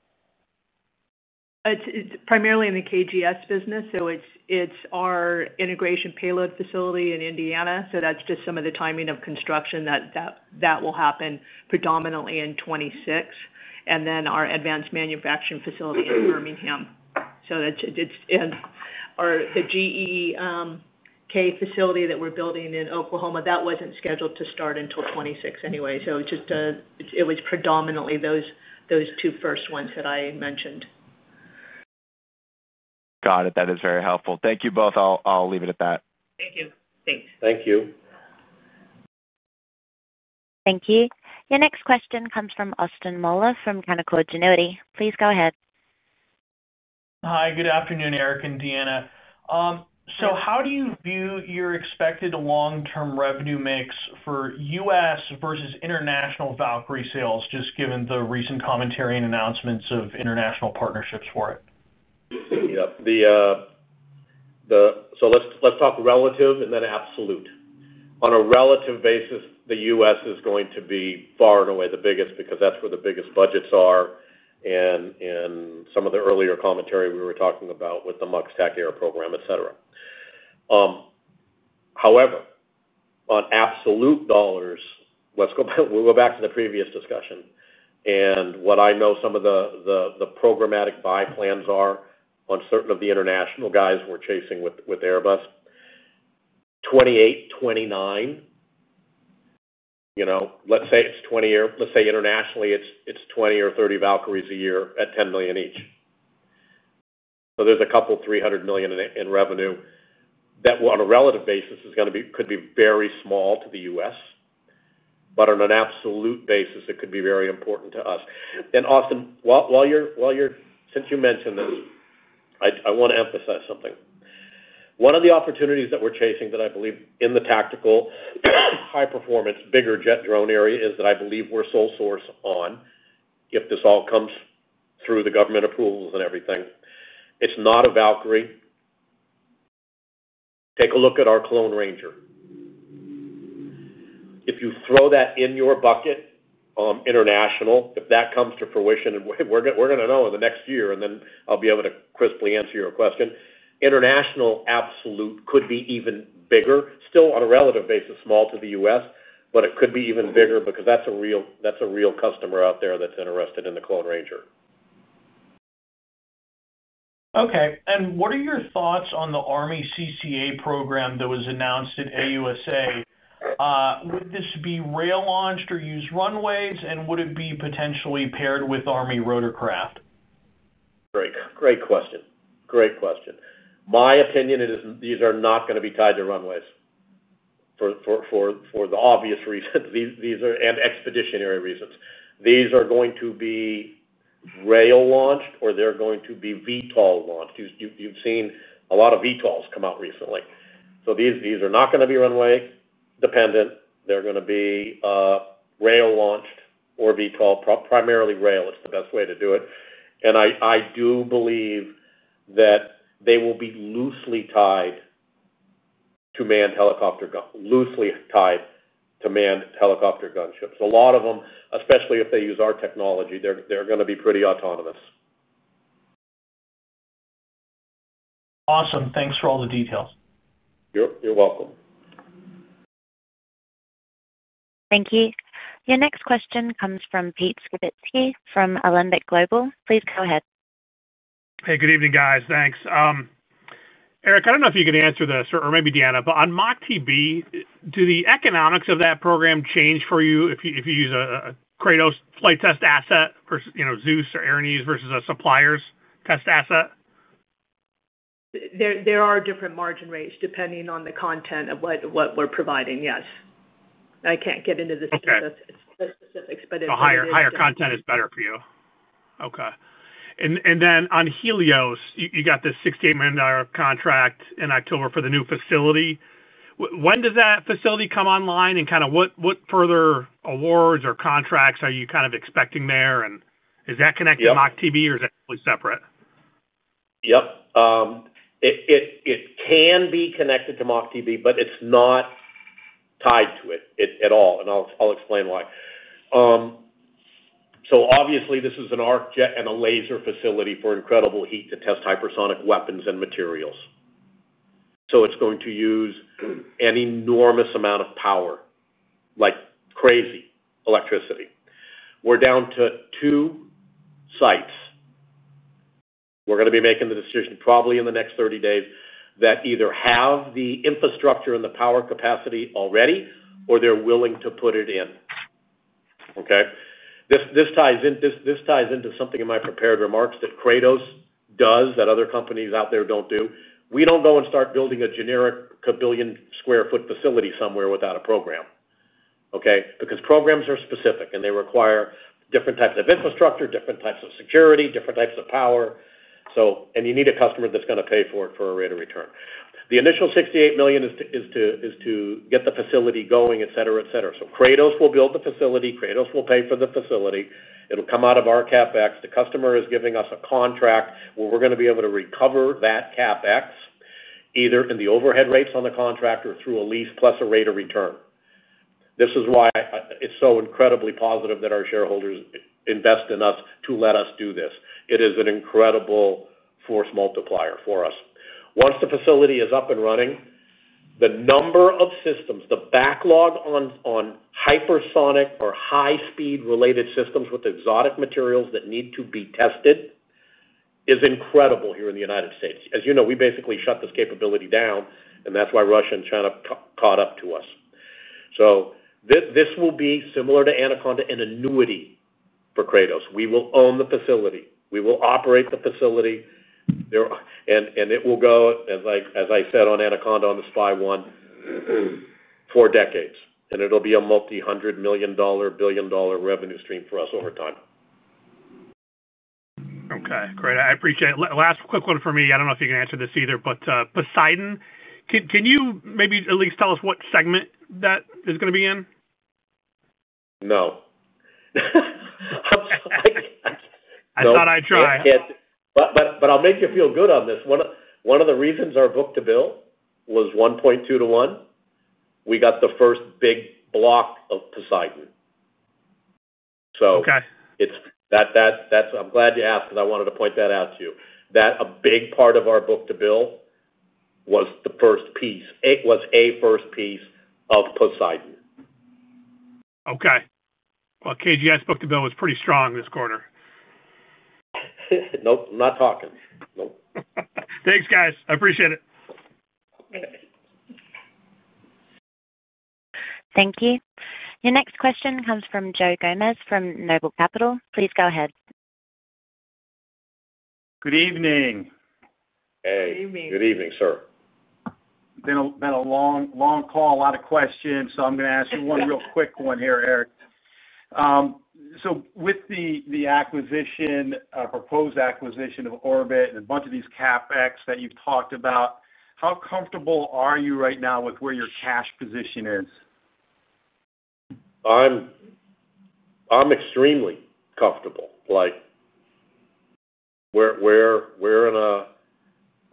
It's primarily in the KGS business. So it's our integration payload facility in Indiana. So that's just some of the timing of construction that will happen predominantly in 2026. And then our advanced manufacturing facility in Birmingham. So it's the GEK facility that we're building in Oklahoma, that wasn't scheduled to start until 2026 anyway. So it was predominantly those two first ones that I mentioned. Got it. That is very helpful. Thank you both. I'll leave it at that. Thank you. Thanks. Thank you. Thank you. Your next question comes from Austin Moeller from Canaccord Genuity. Please go ahead. Hi. Good afternoon, Eric and Deanna. So how do you view your expected long-term revenue mix for U.S. versus international Valkyrie sales, just given the recent commentary and announcements of international partnerships for it? Yep. So let's talk relative and then absolute. On a relative basis, the U.S. is going to be far and away the biggest because that's where the biggest budgets are. And some of the earlier commentary we were talking about with the MUX TACAIR program, etc. However. On absolute dollars, we'll go back to the previous discussion. And what I know some of the programmatic buy plans are on certain of the international guys we're chasing with Airbus. 2028, 2029. Let's say it's 20 year, let's say internationally, it's 20 or 30 Valkyries a year at $10 million each. So there's a couple of $300 million in revenue that, on a relative basis, could be very small to the U.S. But on an absolute basis, it could be very important to us. And Austin, while you're, since you mentioned this, I want to emphasize something. One of the opportunities that we're chasing that I believe in the tactical. High-performance, bigger jet drone area is that I believe we're sole source on. If this all comes through the government approvals and everything. It's not a Valkyrie. Take a look at our Clone Ranger. If you throw that in your bucket. International, if that comes to fruition, we're going to know in the next year, and then I'll be able to crisply answer your question. International absolute could be even bigger. Still, on a relative basis, small to the U.S., but it could be even bigger because that's a real customer out there that's interested in the Clone Ranger. Okay. And what are your thoughts on the Army CCA program that was announced at AUSA? Would this be rail-launched or use runways, and would it be potentially paired with Army rotorcraft? Great question. Great question. My opinion is these are not going to be tied to runways. For the obvious reasons and expeditionary reasons. These are going to be rail-launched, or they're going to be VTOL-launched. You've seen a lot of VTOLs come out recently. So these are not going to be runway-dependent. They're going to be rail-launched or VTOL, primarily rail. It's the best way to do it. And I do believe that they will be loosely tied to manned helicopter guns, loosely tied to manned helicopter gunships. A lot of them, especially if they use our technology, they're going to be pretty autonomous. Awesome. Thanks for all the details. You're welcome. Thank you. Your next question comes from Pete Skibitski from Alembic Global. Please go ahead. Hey, good evening, guys. Thanks. Eric, I don't know if you can answer this, or maybe Deanna, but on MACH-TB, do the economics of that program change for you if you use a Kratos flight test asset versus Zeus or [Ernie's versus a supplier's test asset? There are different margin rates depending on the content of what we're providing, yes. I can't get into the specifics, but it's the higher content is better for you. Okay. And then on Helios, you got the $68 million contract in October for the new facility. When does that facility come online, and kind of what further awards or contracts are you kind of expecting there? And is that connected to MACH-TB, or is that completely separate? Yep. It can be connected to MACH-tB, but it's not tied to it at all. And I'll explain why. So obviously, this is an arc jet and a laser facility for incredible heat to test hypersonic weapons and materials. So it's going to use an enormous amount of power. Like crazy electricity. We're down to two sites. We're going to be making the decision probably in the next 30 days that either have the infrastructure and the power capacity already, or they're willing to put it in. Okay. This ties into something in my prepared remarks that Kratos does that other companies out there don't do. We don't go and start building a generic kabillion-square-foot facility somewhere without a program. Okay. Because programs are specific, and they require different types of infrastructure, different types of security, different types of power. And you need a customer that's going to pay for it for a rate of return. The initial $68 million is to get the facility going, etc., etc. So Kratos will build the facility. Kratos will pay for the facility. It'll come out of our CapEx. The customer is giving us a contract where we're going to be able to recover that CapEx either in the overhead rates on the contract or through a lease plus a rate of return. This is why it's so incredibly positive that our shareholders invest in us to let us do this. It is an incredible force multiplier for us. Once the facility is up and running, the number of systems, the backlog on hypersonic or high-speed related systems with exotic materials that need to be tested. Is incredible here in the United States. As you know, we basically shut this capability down, and that's why Russia and China caught up to us. So this will be similar to Anaconda in annuity for Kratos. We will own the facility. We will operate the facility. And it will go, as I said on Anaconda on the SPY-1 for decades. And it'll be a multi-hundred million-dollar, billion-dollar revenue stream for us over time. Okay. Great. I appreciate it. Last quick one for me. I don't know if you can answer this either, but Poseidon, can you maybe at least tell us what segment that is going to be in? No. I thought I'd try. But I'll make you feel good on this. One of the reasons our book-to-bill was [1.2/1], we got the first big block of Poseidon. So. I'm glad you asked because I wanted to point that out to you. That a big part of our book-to-bill. Was the first piece. It was a first piece of Poseidon. Okay. Well, KGS book-to-bill was pretty strong this quarter. Nope. I'm not talking. Nope. Thanks, guys. I appreciate it. Thank you. Your next question comes from Joe Gomes from Noble Capital. Please go ahead. Good evening. Hey. Good evening. Good evening, sir. Been a long call, a lot of questions. So I'm going to ask you one real quick one here, Eric. So with the proposed acquisition of Orbit and a bunch of these CapEx that you've talked about, how comfortable are you right now with where your cash position is? I'm extremely comfortable. We're in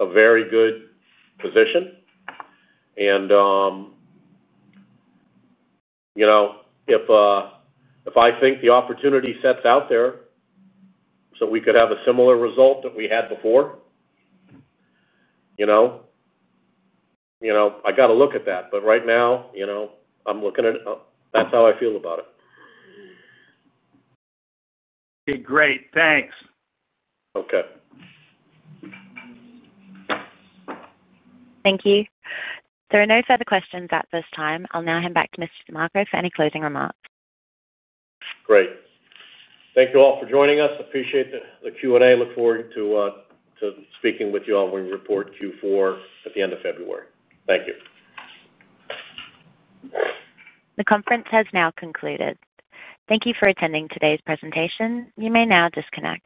a very good position. And. If I think the opportunity sets out there. So we could have a similar result that we had before. I got to look at that. But right now. I'm looking at that's how I feel about it. Okay. Great. Thanks. Okay. Thank you. There are no further questions at this time. I'll now hand back to Mr. DeMarco for any closing remarks. Great. Thank you all for joining us. Appreciate the Q&A. Look forward to. Speaking with you all when we report Q4 at the end of February. Thank you. The conference has now concluded. Thank you for attending today's presentation. You may now disconnect.